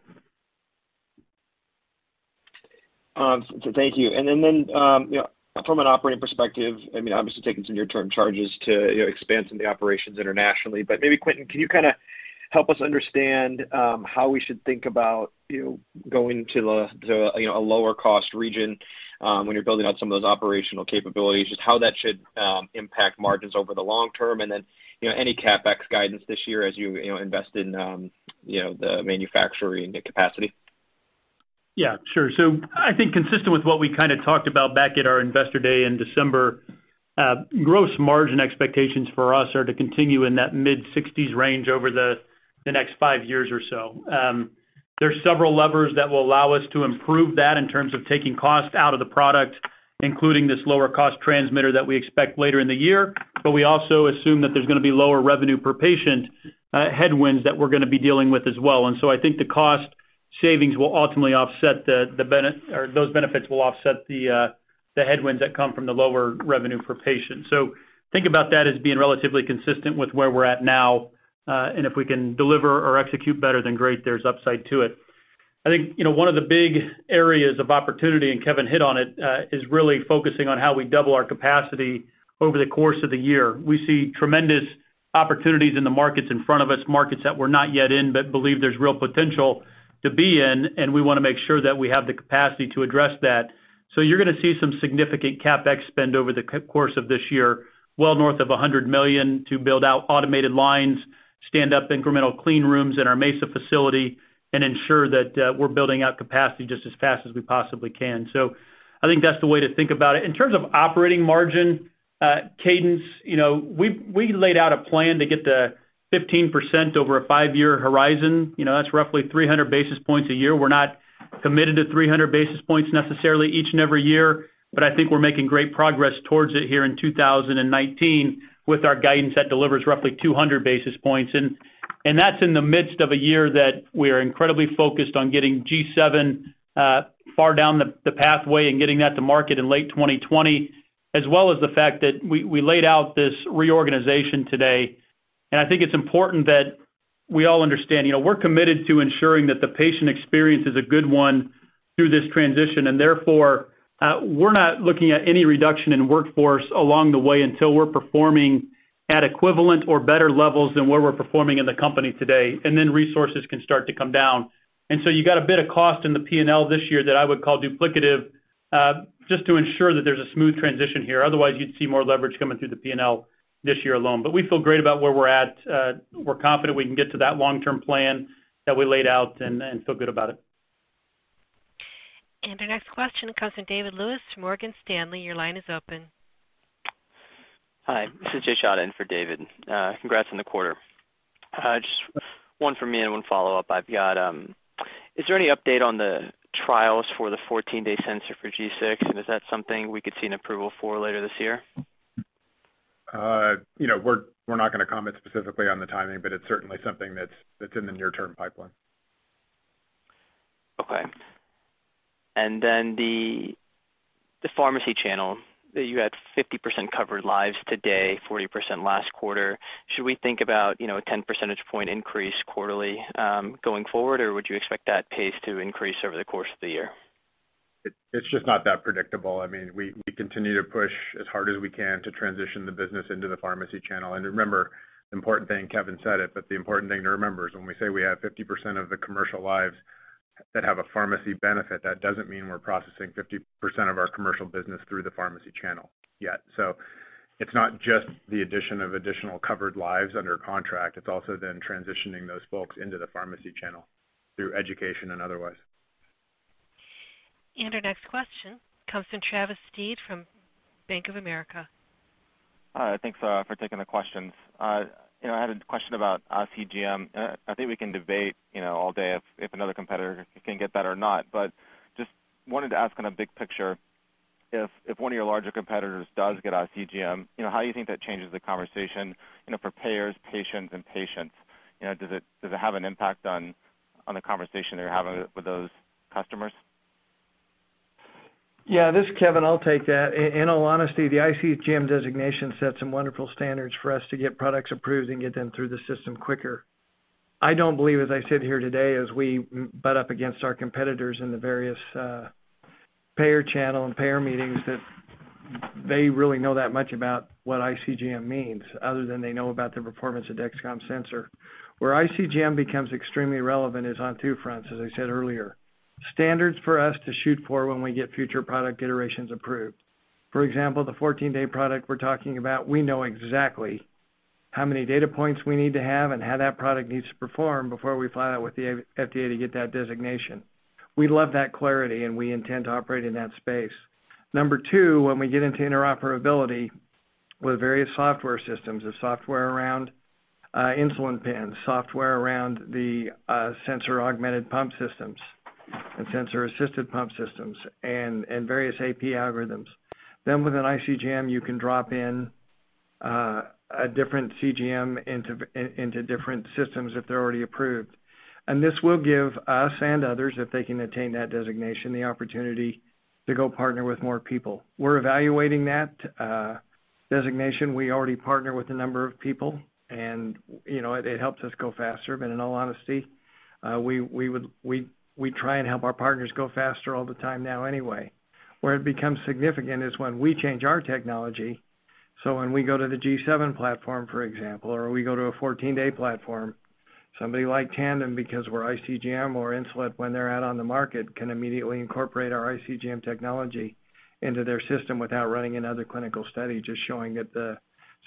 [SPEAKER 11] Thank you. And then from an operating perspective, I mean, obviously, taking some near-term charges to expand some of the operations internationally. But maybe, Quentin, can you kind of help us understand how we should think about going to a lower-cost region when you're building out some of those operational capabilities, just how that should impact margins over the long term, and then any CapEx guidance this year as you invest in the manufacturing capacity?
[SPEAKER 4] Yeah. Sure. So I think consistent with what we kind of talked about back at our investor day in December, gross margin expectations for us are to continue in that mid-60s range over the next five years or so. There are several levers that will allow us to improve that in terms of taking cost out of the product, including this lower-cost transmitter that we expect later in the year. But we also assume that there's going to be lower revenue per patient headwinds that we're going to be dealing with as well. And so I think the cost savings will ultimately offset the benefit or those benefits will offset the headwinds that come from the lower revenue per patient. So think about that as being relatively consistent with where we're at now. And if we can deliver or execute better, then great, there's upside to it. I think one of the big areas of opportunity, and Kevin hit on it, is really focusing on how we double our capacity over the course of the year. We see tremendous opportunities in the markets in front of us, markets that we're not yet in but believe there's real potential to be in, and we want to make sure that we have the capacity to address that. So you're going to see some significant CapEx spend over the course of this year, well north of $100 million, to build out automated lines, stand-up incremental clean rooms in our Mesa facility, and ensure that we're building out capacity just as fast as we possibly can. So I think that's the way to think about it. In terms of operating margin cadence, we laid out a plan to get to 15% over a five-year horizon. That's roughly 300 basis points a year. We're not committed to 300 basis points necessarily each and every year, but I think we're making great progress towards it here in 2019 with our guidance that delivers roughly 200 basis points. And that's in the midst of a year that we are incredibly focused on getting G7 far down the pathway and getting that to market in late 2020, as well as the fact that we laid out this reorganization today. And I think it's important that we all understand we're committed to ensuring that the patient experience is a good one through this transition. And therefore, we're not looking at any reduction in workforce along the way until we're performing at equivalent or better levels than where we're performing in the company today. And then resources can start to come down. And so you've got a bit of cost in the P&L this year that I would call duplicative just to ensure that there's a smooth transition here. Otherwise, you'd see more leverage coming through the P&L this year alone. But we feel great about where we're at. We're confident we can get to that long-term plan that we laid out and feel good about it.
[SPEAKER 1] Our next question comes from David Lewis from Morgan Stanley. Your line is open.
[SPEAKER 12] Hi. This is Jay Shotton for David. Congrats on the quarter. Just one for me and one follow-up. Is there any update on the trials for the 14-day sensor for G6? And is that something we could see an approval for later this year?
[SPEAKER 5] We're not going to comment specifically on the timing, but it's certainly something that's in the near-term pipeline.
[SPEAKER 12] Okay. And then the pharmacy channel, you had 50% covered lives today, 40% last quarter. Should we think about a 10 percentage point increase quarterly going forward, or would you expect that pace to increase over the course of the year?
[SPEAKER 5] It's just not that predictable. I mean, we continue to push as hard as we can to transition the business into the pharmacy channel. And remember, the important thing, Kevin said it, but the important thing to remember is when we say we have 50% of the commercial lives that have a pharmacy benefit, that doesn't mean we're processing 50% of our commercial business through the pharmacy channel yet. So it's not just the addition of additional covered lives under contract. It's also then transitioning those folks into the pharmacy channel through education and otherwise.
[SPEAKER 1] Our next question comes from Travis Steed from Bank of America.
[SPEAKER 13] Hi. Thanks for taking the questions. I had a question about iCGM. I think we can debate all day if another competitor can get that or not, but just wanted to ask kind of big picture. If one of your larger competitors does get iCGM, how do you think that changes the conversation for payers, patients? Does it have an impact on the conversation they're having with those customers?
[SPEAKER 3] Yeah. This is Kevin. I'll take that. In all honesty, the iCGM designation sets some wonderful standards for us to get products approved and get them through the system quicker. I don't believe, as I sit here today, as we butt up against our competitors in the various payer channel and payer meetings, that they really know that much about what iCGM means other than they know about the performance of Dexcom sensor. Where iCGM becomes extremely relevant is on two fronts, as I said earlier. Standards for us to shoot for when we get future product iterations approved. For example, the 14-day product we're talking about, we know exactly how many data points we need to have and how that product needs to perform before we file with the FDA to get that designation. We love that clarity, and we intend to operate in that space. Number two, when we get into interoperability with various software systems, the software around insulin pens, software around the sensor-augmented pump systems and sensor-assisted pump systems, and various AP algorithms. Then with an iCGM, you can drop in a different CGM into different systems if they're already approved. And this will give us and others, if they can attain that designation, the opportunity to go partner with more people. We're evaluating that designation. We already partner with a number of people, and it helps us go faster. But in all honesty, we try and help our partners go faster all the time now anyway. Where it becomes significant is when we change our technology. So when we go to the G7 platform, for example, or we go to a 14-day platform, somebody like Tandem, because we're iCGM or Insulet when they're out on the market, can immediately incorporate our iCGM technology into their system without running another clinical study, just showing that the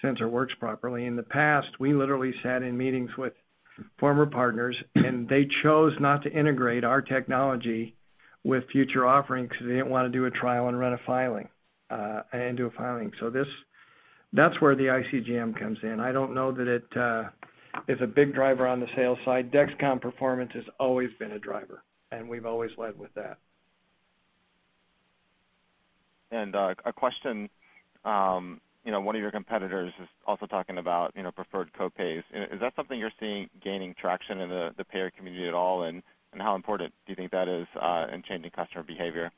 [SPEAKER 3] sensor works properly. In the past, we literally sat in meetings with former partners, and they chose not to integrate our technology with future offerings because they didn't want to do a trial and run a filing and do a filing. So that's where the iCGM comes in. I don't know that it is a big driver on the sales side. Dexcom performance has always been a driver, and we've always led with that.
[SPEAKER 13] A question. One of your competitors is also talking about preferred copays. Is that something you're seeing gaining traction in the payer community at all, and how important do you think that is in changing customer behavior?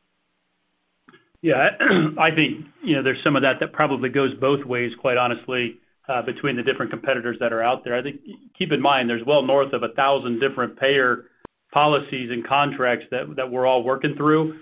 [SPEAKER 4] Yeah. I think there's some of that that probably goes both ways, quite honestly, between the different competitors that are out there. I think keep in mind, there's well north of 1,000 different payer policies and contracts that we're all working through.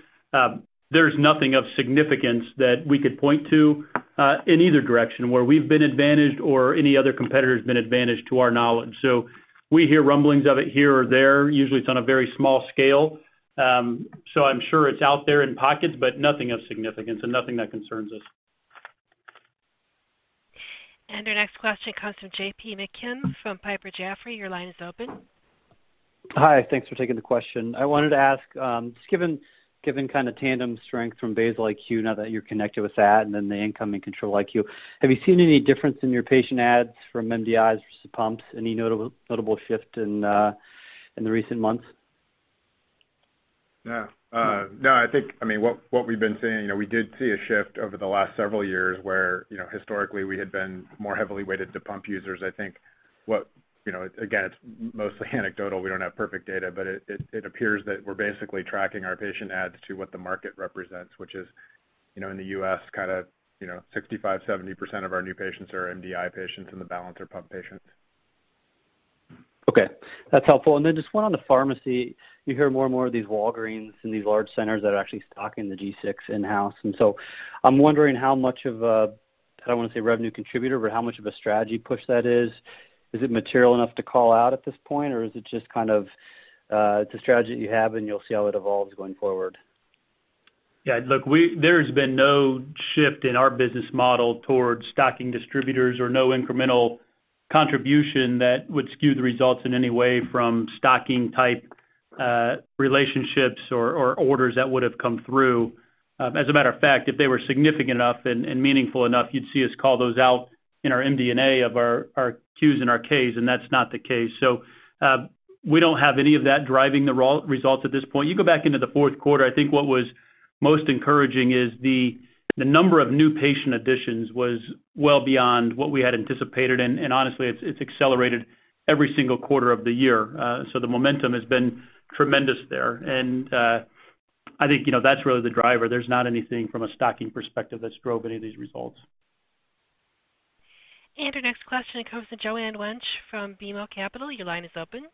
[SPEAKER 4] There's nothing of significance that we could point to in either direction where we've been advantaged or any other competitor has been advantaged to our knowledge. So we hear rumblings of it here or there. Usually, it's on a very small scale. So I'm sure it's out there in pockets, but nothing of significance and nothing that concerns us.
[SPEAKER 1] And our next question comes from JP McKim from Piper Jaffray. Your line is open.
[SPEAKER 14] Hi. Thanks for taking the question. I wanted to ask, just given kind of Tandem's strength from Basal-IQ, now that you're connected with that, and then the incoming Control-IQ, have you seen any difference in your patient adds from MDIs versus pumps? Any notable shift in the recent months?
[SPEAKER 5] No. No. I think, I mean, what we've been seeing, we did see a shift over the last several years where historically we had been more heavily weighted to pump users. I think, again, it's mostly anecdotal. We don't have perfect data, but it appears that we're basically tracking our patient adds to what the market represents, which is in the U.S., kind of 65%-70% of our new patients are MDI patients, and the balance are pump patients.
[SPEAKER 14] Okay. That's helpful. And then just one on the pharmacy. You hear more and more of these Walgreens and these large centers that are actually stocking the G6 in-house. And so I'm wondering how much of a—I don't want to say revenue contributor, but how much of a strategy push that is. Is it material enough to call out at this point, or is it just kind of it's a strategy that you have, and you'll see how it evolves going forward?
[SPEAKER 3] Yeah. Look, there has been no shift in our business model towards stocking distributors or no incremental contribution that would skew the results in any way from stocking-type relationships or orders that would have come through. As a matter of fact, if they were significant enough and meaningful enough, you'd see us call those out in our MD&A of our Qs and our Ks, and that's not the case. So we don't have any of that driving the results at this point. You go back into the fourth quarter. I think what was most encouraging is the number of new patient additions was well beyond what we had anticipated. And honestly, it's accelerated every single quarter of the year. So the momentum has been tremendous there. And I think that's really the driver. There's not anything from a stocking perspective that's drove any of these results.
[SPEAKER 1] Our next question comes from Joanne Wuensch from BMO Capital. Your line is open.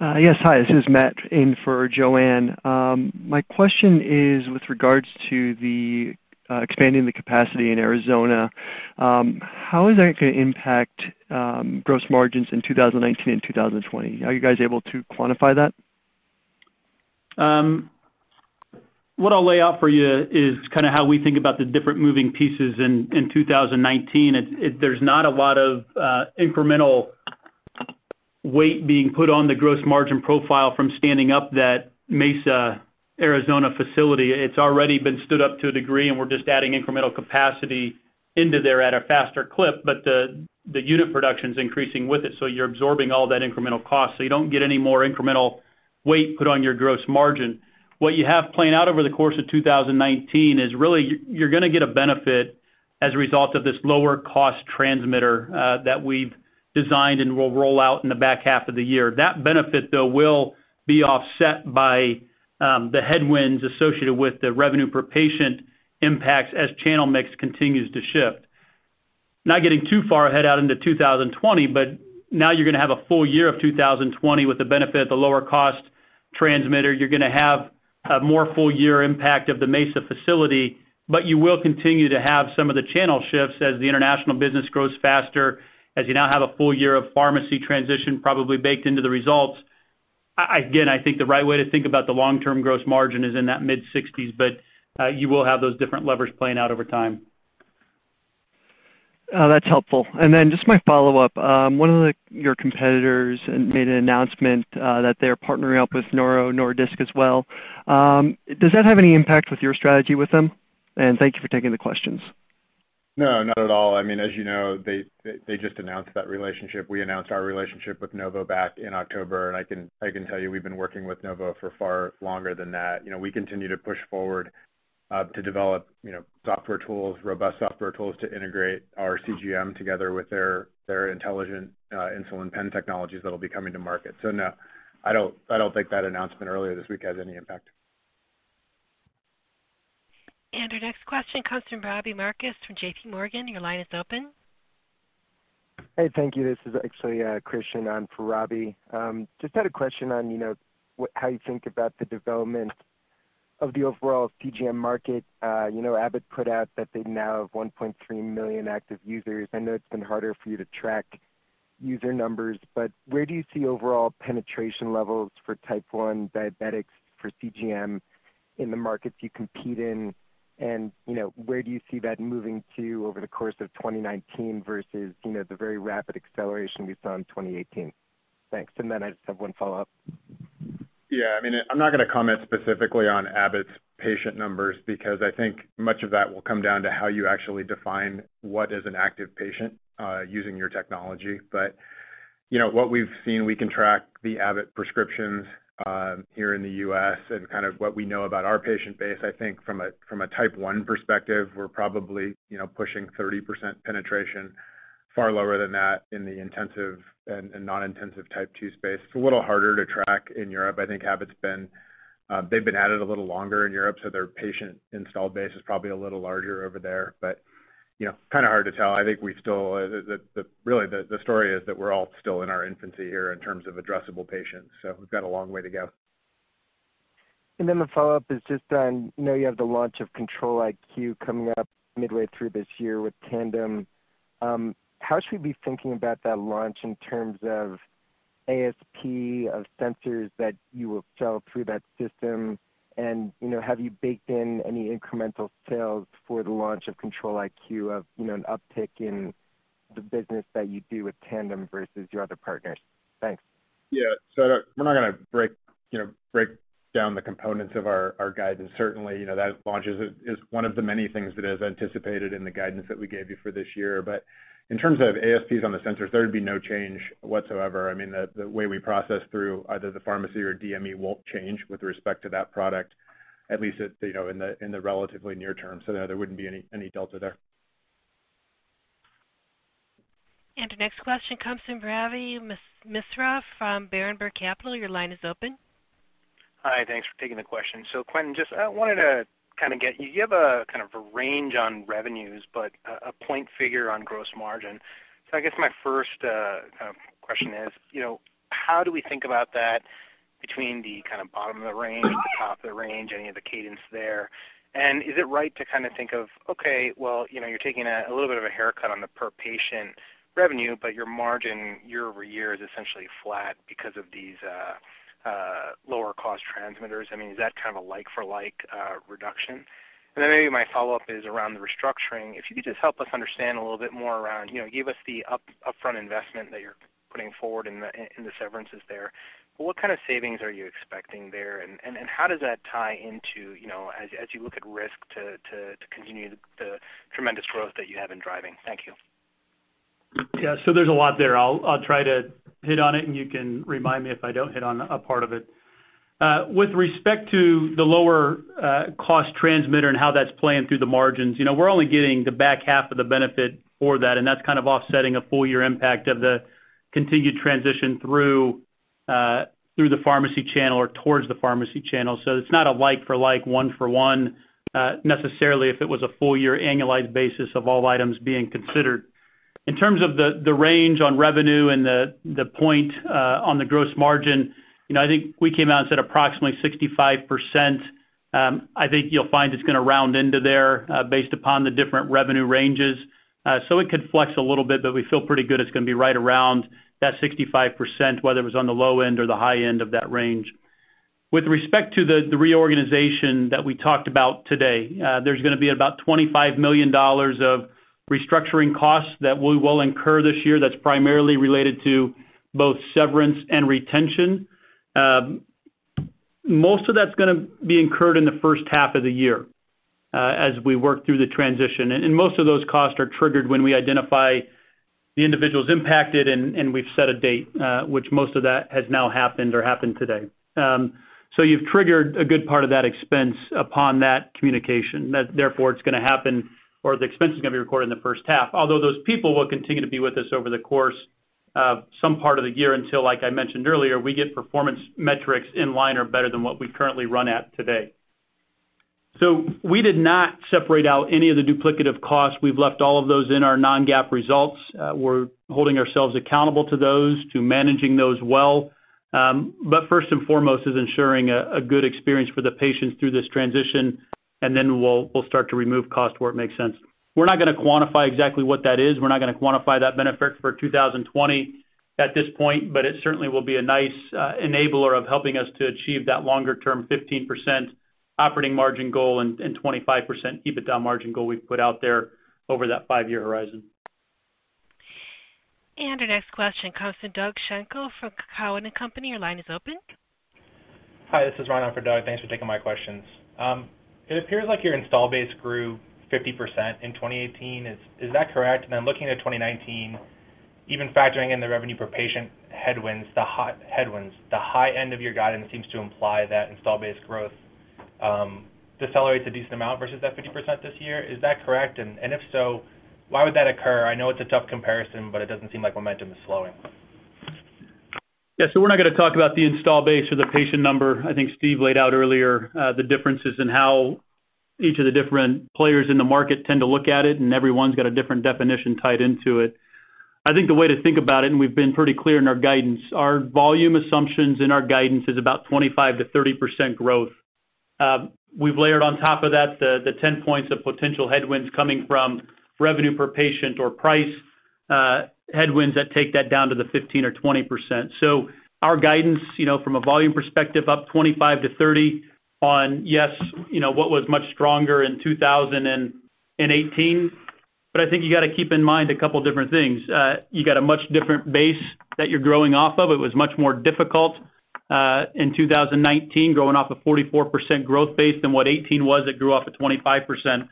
[SPEAKER 15] Yes. Hi. This is Matt in for Joanne. My question is with regards to expanding the capacity in Arizona. How is that going to impact gross margins in 2019 and 2020? Are you guys able to quantify that?
[SPEAKER 3] What I'll lay out for you is kind of how we think about the different moving pieces in 2019. There's not a lot of incremental weight being put on the gross margin profile from standing up that Mesa, Arizona facility. It's already been stood up to a degree, and we're just adding incremental capacity into there at a faster clip. But the unit production is increasing with it, so you're absorbing all that incremental cost. So you don't get any more incremental weight put on your gross margin. What you have playing out over the course of 2019 is really you're going to get a benefit as a result of this lower-cost transmitter that we've designed and will roll out in the back half of the year. That benefit, though, will be offset by the headwinds associated with the revenue per patient impacts as channel mix continues to shift. Not getting too far ahead out into 2020, but now you're going to have a full year of 2020 with the benefit of the lower-cost transmitter. You're going to have a more full-year impact of the Mesa facility, but you will continue to have some of the channel shifts as the international business grows faster, as you now have a full year of pharmacy transition probably baked into the results. Again, I think the right way to think about the long-term gross margin is in that mid-60s, but you will have those different levers playing out over time.
[SPEAKER 15] That's helpful, and then just my follow-up. One of your competitors made an announcement that they're partnering up with Novo Nordisk as well. Does that have any impact with your strategy with them, and thank you for taking the questions.
[SPEAKER 5] No, not at all. I mean, as you know, they just announced that relationship. We announced our relationship with Novo back in October, and I can tell you we've been working with Novo for far longer than that. We continue to push forward to develop software tools, robust software tools to integrate our CGM together with their intelligent insulin pen technologies that will be coming to market. So no, I don't think that announcement earlier this week has any impact.
[SPEAKER 1] Our next question comes from Robbie Marcus from JP Morgan. Your line is open.
[SPEAKER 16] Hey, thank you. This is actually Christian. I'm for Robbie. Just had a question on how you think about the development of the overall CGM market. Abbott put out that they now have 1.3 million active users. I know it's been harder for you to track user numbers, but where do you see overall penetration levels for type 1 diabetics for CGM in the markets you compete in? And where do you see that moving to over the course of 2019 versus the very rapid acceleration we saw in 2018? Thanks, and then I just have one follow-up.
[SPEAKER 5] Yeah. I mean, I'm not going to comment specifically on Abbott's patient numbers because I think much of that will come down to how you actually define what is an active patient using your technology. But what we've seen, we can track the Abbott prescriptions here in the U.S. and kind of what we know about our patient base. I think from a type 1 perspective, we're probably pushing 30% penetration, far lower than that in the intensive and non-intensive type 2 space. It's a little harder to track in Europe. I think Abbott's been. They've been at it a little longer in Europe, so their patient installed base is probably a little larger over there. But kind of hard to tell. I think we still. Really, the story is that we're all still in our infancy here in terms of addressable patients. So we've got a long way to go.
[SPEAKER 16] And then the follow-up is just on you have the launch of Control-IQ coming up midway through this year with Tandem. How should we be thinking about that launch in terms of ASP of sensors that you will sell through that system? And have you baked in any incremental sales for the launch of Control-IQ of an uptick in the business that you do with Tandem versus your other partners? Thanks.
[SPEAKER 5] Yeah. So we're not going to break down the components of our guidance. Certainly, that launch is one of the many things that is anticipated in the guidance that we gave you for this year. But in terms of ASPs on the sensors, there would be no change whatsoever. I mean, the way we process through either the pharmacy or DME won't change with respect to that product, at least in the relatively near term. So there wouldn't be any delta there.
[SPEAKER 1] Our next question comes from Ravi Misra from Berenberg Capital. Your line is open.
[SPEAKER 17] Hi. Thanks for taking the question. So Quentin, just I wanted to kind of get you. You have a kind of range on revenues, but a point figure on gross margin. So I guess my first kind of question is, how do we think about that between the kind of bottom of the range, the top of the range, any of the cadence there? And is it right to kind of think of, "Okay. Well, you're taking a little bit of a haircut on the per patient revenue, but your margin year-over-year is essentially flat because of these lower-cost transmitters"? I mean, is that kind of a like-for-like reduction? And then maybe my follow-up is around the restructuring. If you could just help us understand a little bit more around, give us the upfront investment that you're putting forward in the severances there. What kind of savings are you expecting there, and how does that tie into as you look at risk to continue the tremendous growth that you have in driving? Thank you.
[SPEAKER 4] Yeah. So there's a lot there. I'll try to hit on it, and you can remind me if I don't hit on a part of it. With respect to the lower-cost transmitter and how that's playing through the margins, we're only getting the back half of the benefit for that, and that's kind of offsetting a full-year impact of the continued transition through the pharmacy channel or towards the pharmacy channel. So it's not a like-for-like, one-for-one necessarily if it was a full-year annualized basis of all items being considered. In terms of the range on revenue and the point on the gross margin, I think we came out and said approximately 65%. I think you'll find it's going to round into there based upon the different revenue ranges. So it could flex a little bit, but we feel pretty good it's going to be right around that 65%, whether it was on the low end or the high end of that range. With respect to the reorganization that we talked about today, there's going to be about $25 million of restructuring costs that we will incur this year that's primarily related to both severance and retention. Most of that's going to be incurred in the first half of the year as we work through the transition. And most of those costs are triggered when we identify the individuals impacted, and we've set a date, which most of that has now happened or happened today. So you've triggered a good part of that expense upon that communication. Therefore, it's going to happen or the expense is going to be recorded in the first half. Although those people will continue to be with us over the course of some part of the year until, like I mentioned earlier, we get performance metrics in line or better than what we currently run at today. So we did not separate out any of the duplicative costs. We've left all of those in our non-GAAP results. We're holding ourselves accountable to those, to managing those well. But first and foremost is ensuring a good experience for the patients through this transition, and then we'll start to remove cost where it makes sense. We're not going to quantify exactly what that is. We're not going to quantify that benefit for 2020 at this point, but it certainly will be a nice enabler of helping us to achieve that longer-term 15% operating margin goal and 25% EBITDA margin goal we've put out there over that five-year horizon.
[SPEAKER 1] Our next question comes from Doug Schenkel from Cowen and Co. Your line is open.
[SPEAKER 18] Hi. This is Ryan from Doug. Thanks for taking my questions. It appears like your installed base grew 50% in 2018. Is that correct? And then looking at 2019, even factoring in the revenue per patient headwinds, the high end of your guidance seems to imply that installed-base growth decelerates a decent amount versus that 50% this year. Is that correct? And if so, why would that occur? I know it's a tough comparison, but it doesn't seem like momentum is slowing.
[SPEAKER 4] Yeah. So we're not going to talk about the install base or the patient number. I think Steve laid out earlier the differences in how each of the different players in the market tend to look at it, and everyone's got a different definition tied into it. I think the way to think about it, and we've been pretty clear in our guidance, our volume assumptions in our guidance is about 25%-30% growth. We've layered on top of that the 10 points of potential headwinds coming from revenue per patient or price headwinds that take that down to the 15%-20%. So our guidance from a volume perspective, up 25%-30% on, yes, what was much stronger in 2018. But I think you got to keep in mind a couple of different things. You got a much different base that you're growing off of. It was much more difficult in 2019, growing off a 44% growth base than what 2018 was. It grew off a 25%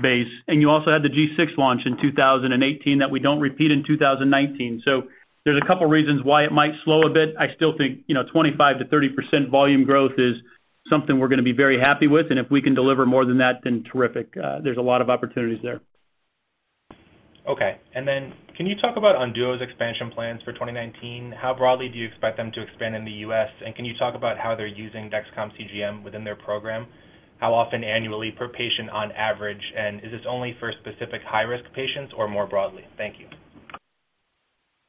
[SPEAKER 4] base. And you also had the G6 launch in 2018 that we don't repeat in 2019. So there's a couple of reasons why it might slow a bit. I still think 25%-30% volume growth is something we're going to be very happy with. And if we can deliver more than that, then terrific. There's a lot of opportunities there.
[SPEAKER 18] Okay. And then can you talk about Onduo's expansion plans for 2019? How broadly do you expect them to expand in the U.S.? And can you talk about how they're using Dexcom CGM within their program? How often annually per patient on average? And is this only for specific high-risk patients or more broadly? Thank you.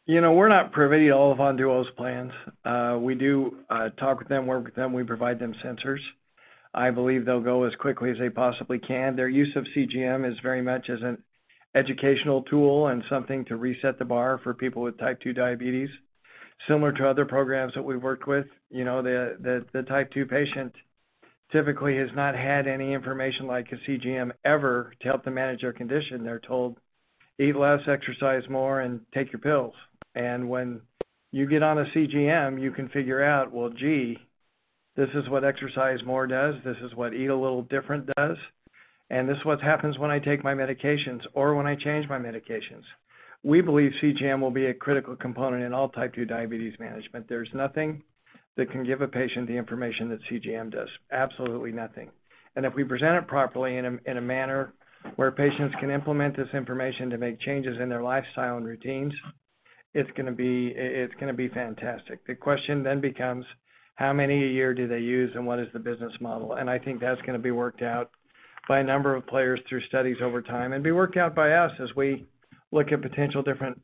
[SPEAKER 3] We're not privy to all of Onduo's plans. We do talk with them, work with them. We provide them sensors. I believe they'll go as quickly as they possibly can. Their use of CGM is very much as an educational tool and something to reset the bar for people with type 2 diabetes. Similar to other programs that we've worked with, the type 2 patient typically has not had any information like a CGM ever to help them manage their condition. They're told, "Eat less, exercise more, and take your pills." And when you get on a CGM, you can figure out, "Well, gee, this is what exercise more does. This is what eat a little different does. And this is what happens when I take my medications or when I change my medications." We believe CGM will be a critical component in all type 2 diabetes management. There's nothing that can give a patient the information that CGM does. Absolutely nothing, and if we present it properly in a manner where patients can implement this information to make changes in their lifestyle and routines, it's going to be fantastic. The question then becomes, how many a year do they use and what is the business model? I think that's going to be worked out by a number of players through studies over time and be worked out by us as we look at potential different,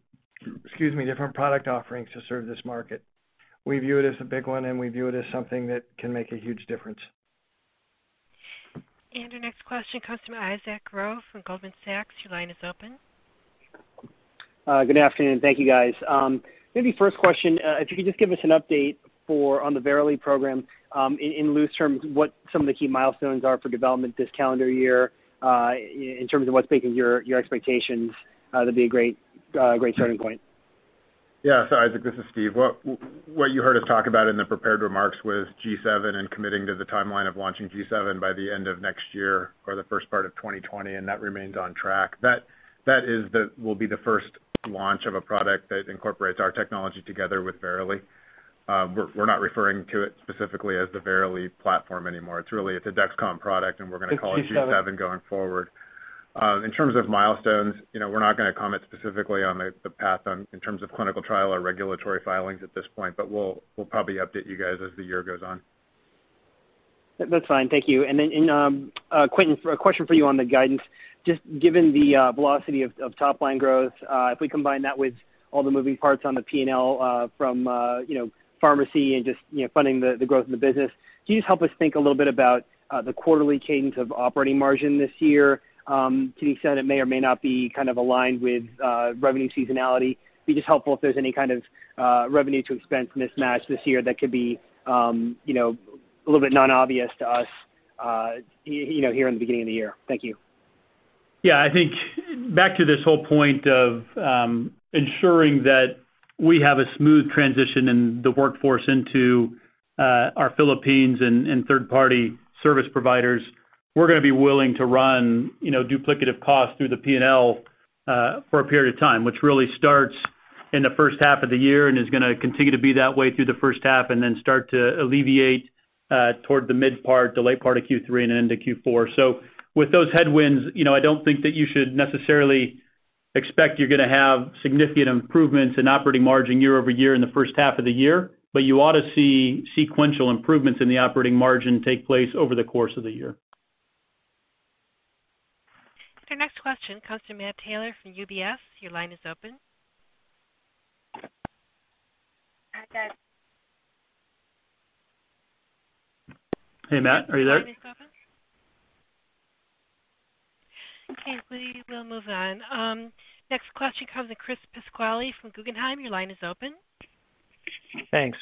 [SPEAKER 3] excuse me, different product offerings to serve this market. We view it as a big one, and we view it as something that can make a huge difference.
[SPEAKER 1] Our next question comes from Isaac Ro from Goldman Sachs. Your line is open.
[SPEAKER 19] Good afternoon. Thank you, guys. Maybe first question, if you could just give us an update on the Verily program in loose terms, what some of the key milestones are for development this calendar year in terms of what's making your expectations, that'd be a great starting point.
[SPEAKER 5] Yeah. So Isaac, this is Steve. What you heard us talk about in the prepared remarks was G7 and committing to the timeline of launching G7 by the end of next year or the first part of 2020, and that remains on track. That will be the first launch of a product that incorporates our technology together with Verily. We're not referring to it specifically as the Verily platform anymore. It's really a Dexcom product, and we're going to call it G7 going forward. In terms of milestones, we're not going to comment specifically on the path in terms of clinical trial or regulatory filings at this point, but we'll probably update you guys as the year goes on.
[SPEAKER 19] That's fine. Thank you. And then Quentin, a question for you on the guidance. Just given the velocity of top-line growth, if we combine that with all the moving parts on the P&L from pharmacy and just funding the growth in the business, can you just help us think a little bit about the quarterly cadence of operating margin this year to the extent it may or may not be kind of aligned with revenue seasonality? It'd be just helpful if there's any kind of revenue-to-expense mismatch this year that could be a little bit non-obvious to us here in the beginning of the year. Thank you.
[SPEAKER 4] Yeah. I think back to this whole point of ensuring that we have a smooth transition in the workforce into our Philippines and third-party service providers. We're going to be willing to run duplicative costs through the P&L for a period of time, which really starts in the first half of the year and is going to continue to be that way through the first half and then start to alleviate toward the mid part, the late part of Q3, and into Q4. So with those headwinds, I don't think that you should necessarily expect you're going to have significant improvements in operating margin year-over-year in the first half of the year, but you ought to see sequential improvements in the operating margin take place over the course of the year.
[SPEAKER 1] Our next question comes from Matt Taylor from UBS. Your line is open.
[SPEAKER 3] Hey, Matt. Are you there?
[SPEAKER 1] Okay. We will move on. Next question comes from Chris Pasquale from Guggenheim. Your line is open.
[SPEAKER 20] Thanks.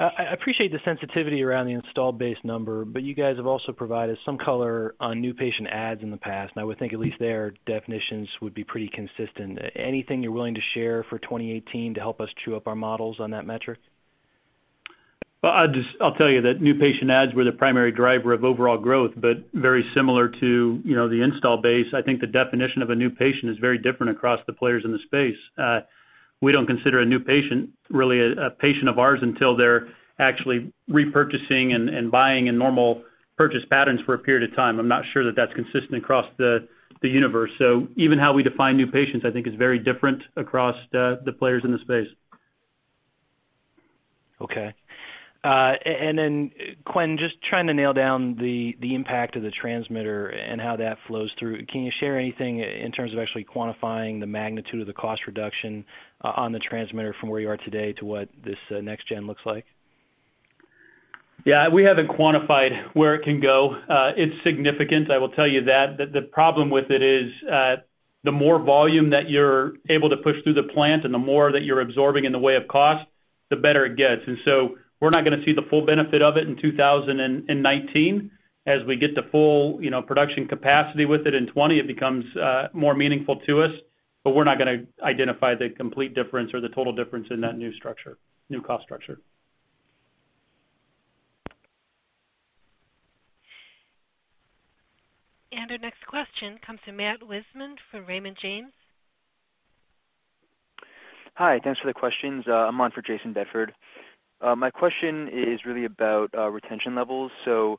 [SPEAKER 20] I appreciate the sensitivity around the installed base number, but you guys have also provided some color on new patient adds in the past, and I would think at least their definitions would be pretty consistent. Anything you're willing to share for 2018 to help us chew up our models on that metric?
[SPEAKER 3] I'll tell you that new patient adds were the primary driver of overall growth, but very similar to the install base, I think the definition of a new patient is very different across the players in the space. We don't consider a new patient really a patient of ours until they're actually repurchasing and buying in normal purchase patterns for a period of time. I'm not sure that that's consistent across the universe. Even how we define new patients, I think, is very different across the players in the space.
[SPEAKER 20] Okay. And then Quentin, just trying to nail down the impact of the transmitter and how that flows through, can you share anything in terms of actually quantifying the magnitude of the cost reduction on the transmitter from where you are today to what this next gen looks like?
[SPEAKER 4] Yeah. We haven't quantified where it can go. It's significant. I will tell you that. The problem with it is the more volume that you're able to push through the plant and the more that you're absorbing in the way of cost, the better it gets. And so we're not going to see the full benefit of it in 2019. As we get to full production capacity with it in 2020, it becomes more meaningful to us, but we're not going to identify the complete difference or the total difference in that new structure, new cost structure.
[SPEAKER 1] Our next question comes from Matt Wizman from Raymond James.
[SPEAKER 21] Hi. Thanks for the questions. I'm on for Jason Bedford. My question is really about retention levels. So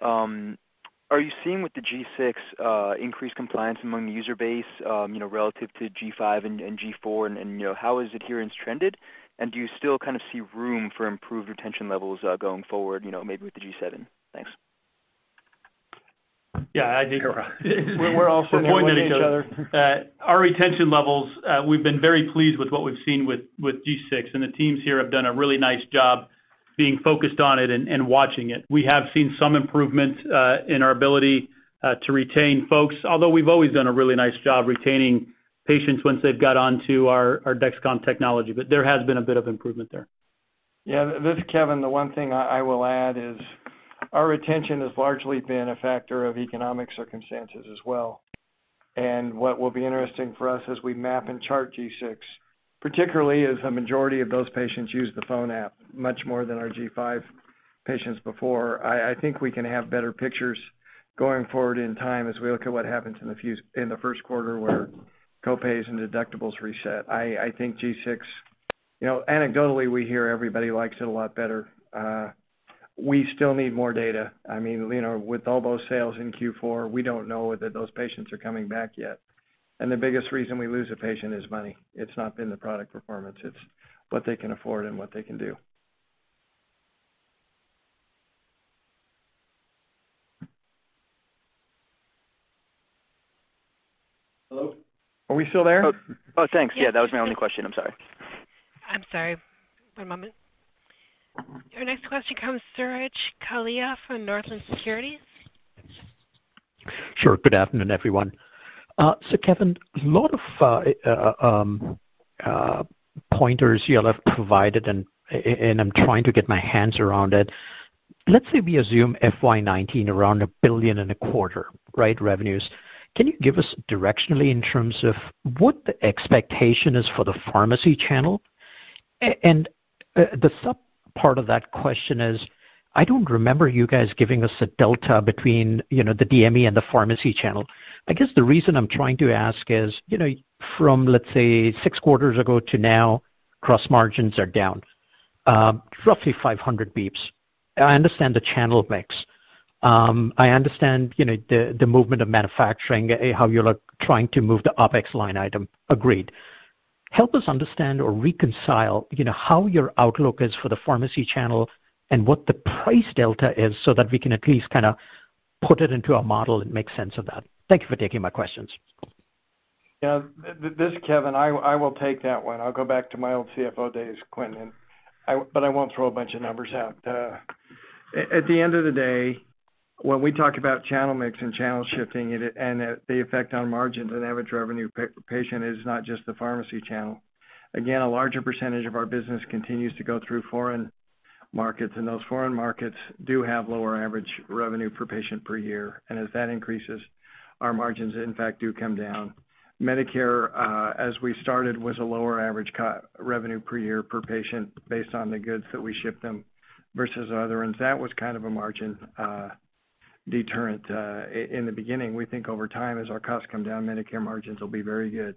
[SPEAKER 21] are you seeing with the G6 increased compliance among the user base relative to G5 and G4, and how has adherence trended? And do you still kind of see room for improved retention levels going forward, maybe with the G7? Thanks.
[SPEAKER 4] Yeah. I think we're all familiar with each other. Our retention levels, we've been very pleased with what we've seen with G6, and the teams here have done a really nice job being focused on it and watching it. We have seen some improvement in our ability to retain folks, although we've always done a really nice job retaining patients once they've got onto our Dexcom technology, but there has been a bit of improvement there.
[SPEAKER 3] Yeah. This is Kevin. The one thing I will add is our retention has largely been a factor of economic circumstances as well. And what will be interesting for us as we map and chart G6, particularly as the majority of those patients use the phone app much more than our G5 patients before, I think we can have better pictures going forward in time as we look at what happens in the first quarter where copays and deductibles reset. I think G6, anecdotally, we hear everybody likes it a lot better. We still need more data. I mean, with all those sales in Q4, we don't know that those patients are coming back yet. And the biggest reason we lose a patient is money. It's not been the product performance. It's what they can afford and what they can do.
[SPEAKER 21] Hello?
[SPEAKER 4] Are we still there?
[SPEAKER 21] Oh, thanks. Yeah. That was my only question. I'm sorry.
[SPEAKER 1] I'm sorry. One moment. Our next question comes from Suraj Kalia from Northland Securities.
[SPEAKER 22] Sure. Good afternoon, everyone. So Kevin, a lot of pointers you all have provided, and I'm trying to get my hands around it. Let's say we assume FY19 around $1.25 billion, right, revenues. Can you give us directionally in terms of what the expectation is for the pharmacy channel? And the sub-part of that question is, I don't remember you guys giving us a delta between the DME and the pharmacy channel. I guess the reason I'm trying to ask is, from, let's say, six quarters ago to now, gross margins are down, roughly 500 basis points. I understand the channel mix. I understand the movement of manufacturing, how you're trying to move the OpEx line item. Agreed. Help us understand or reconcile how your outlook is for the pharmacy channel and what the price delta is so that we can at least kind of put it into our model and make sense of that. Thank you for taking my questions.
[SPEAKER 3] Yeah. This is Kevin. I will take that one. I'll go back to my old CFO days, Quentin, but I won't throw a bunch of numbers out. At the end of the day, when we talk about channel mix and channel shifting and the effect on margins and average revenue per patient, it's not just the pharmacy channel. Again, a larger percentage of our business continues to go through foreign markets, and those foreign markets do have lower average revenue per patient per year. And as that increases, our margins, in fact, do come down. Medicare, as we started, was a lower average revenue per year per patient based on the goods that we shipped them versus others. That was kind of a margin deterrent in the beginning. We think over time, as our costs come down, Medicare margins will be very good.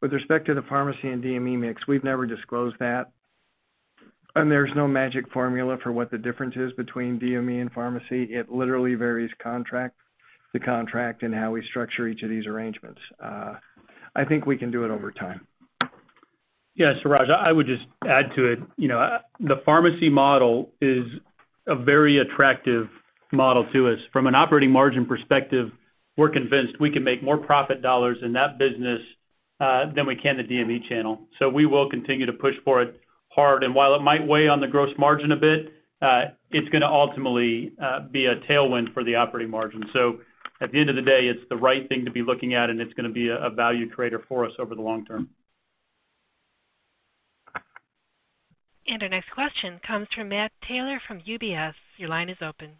[SPEAKER 3] With respect to the pharmacy and DME mix, we've never disclosed that. And there's no magic formula for what the difference is between DME and pharmacy. It literally varies contract to contract and how we structure each of these arrangements. I think we can do it over time.
[SPEAKER 4] Yeah. Suraj, I would just add to it. The pharmacy model is a very attractive model to us. From an operating margin perspective, we're convinced we can make more profit dollars in that business than we can in the DME channel. So we will continue to push for it hard. And while it might weigh on the gross margin a bit, it's going to ultimately be a tailwind for the operating margin. So at the end of the day, it's the right thing to be looking at, and it's going to be a value creator for us over the long term.
[SPEAKER 1] Our next question comes from Matt Taylor from UBS. Your line is open.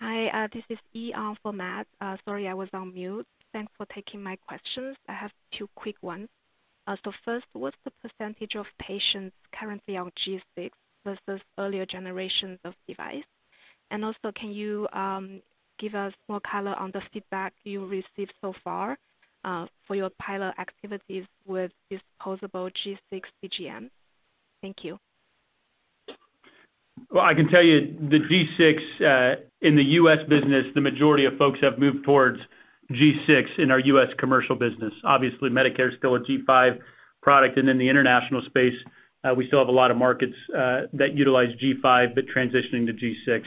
[SPEAKER 23] Hi. This is Ian for Matt. Sorry, I was on mute. Thanks for taking my questions. I have two quick ones. So first, what's the percentage of patients currently on G6 versus earlier generations of device? And also, can you give us more color on the feedback you received so far for your pilot activities with disposable G6 CGM? Thank you.
[SPEAKER 4] I can tell you the G6 in the U.S. business, the majority of folks have moved towards G6 in our U.S. commercial business. Obviously, Medicare is still a G5 product, and in the international space, we still have a lot of markets that utilize G5 but transitioning to G6.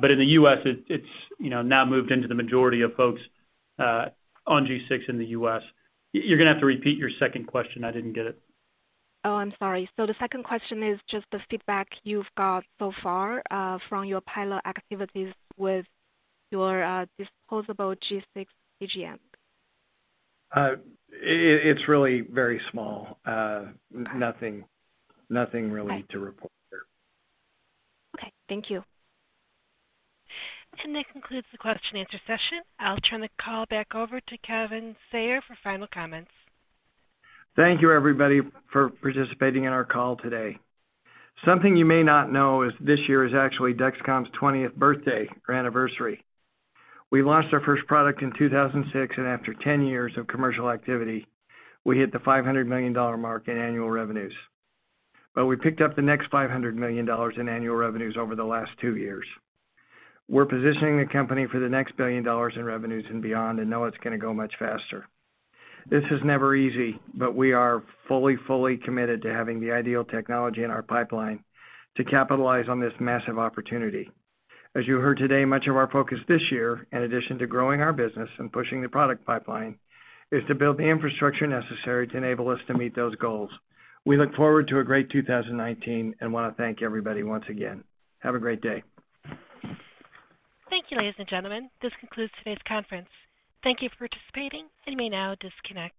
[SPEAKER 4] But in the U.S., it's now moved into the majority of folks on G6 in the U.S. You're going to have to repeat your second question. I didn't get it.
[SPEAKER 23] Oh, I'm sorry. So the second question is just the feedback you've got so far from your pilot activities with your disposable G6 CGM.
[SPEAKER 3] It's really very small. Nothing really to report here.
[SPEAKER 23] Okay. Thank you.
[SPEAKER 1] That concludes the question-and-answer session. I'll turn the call back over to Kevin Sayer for final comments.
[SPEAKER 3] Thank you, everybody, for participating in our call today. Something you may not know is this year is actually Dexcom's 20th birthday or anniversary. We launched our first product in 2006, and after 10 years of commercial activity, we hit the $500 million mark in annual revenues. But we picked up the next $500 million in annual revenues over the last two years. We're positioning the company for the next $1 billion in revenues and beyond, and I know it's going to go much faster. This is never easy, but we are fully, fully committed to having the ideal technology in our pipeline to capitalize on this massive opportunity. As you heard today, much of our focus this year, in addition to growing our business and pushing the product pipeline, is to build the infrastructure necessary to enable us to meet those goals. We look forward to a great 2019 and want to thank everybody once again. Have a great day.
[SPEAKER 1] Thank you, ladies and gentlemen. This concludes today's conference. Thank you for participating, and you may now disconnect.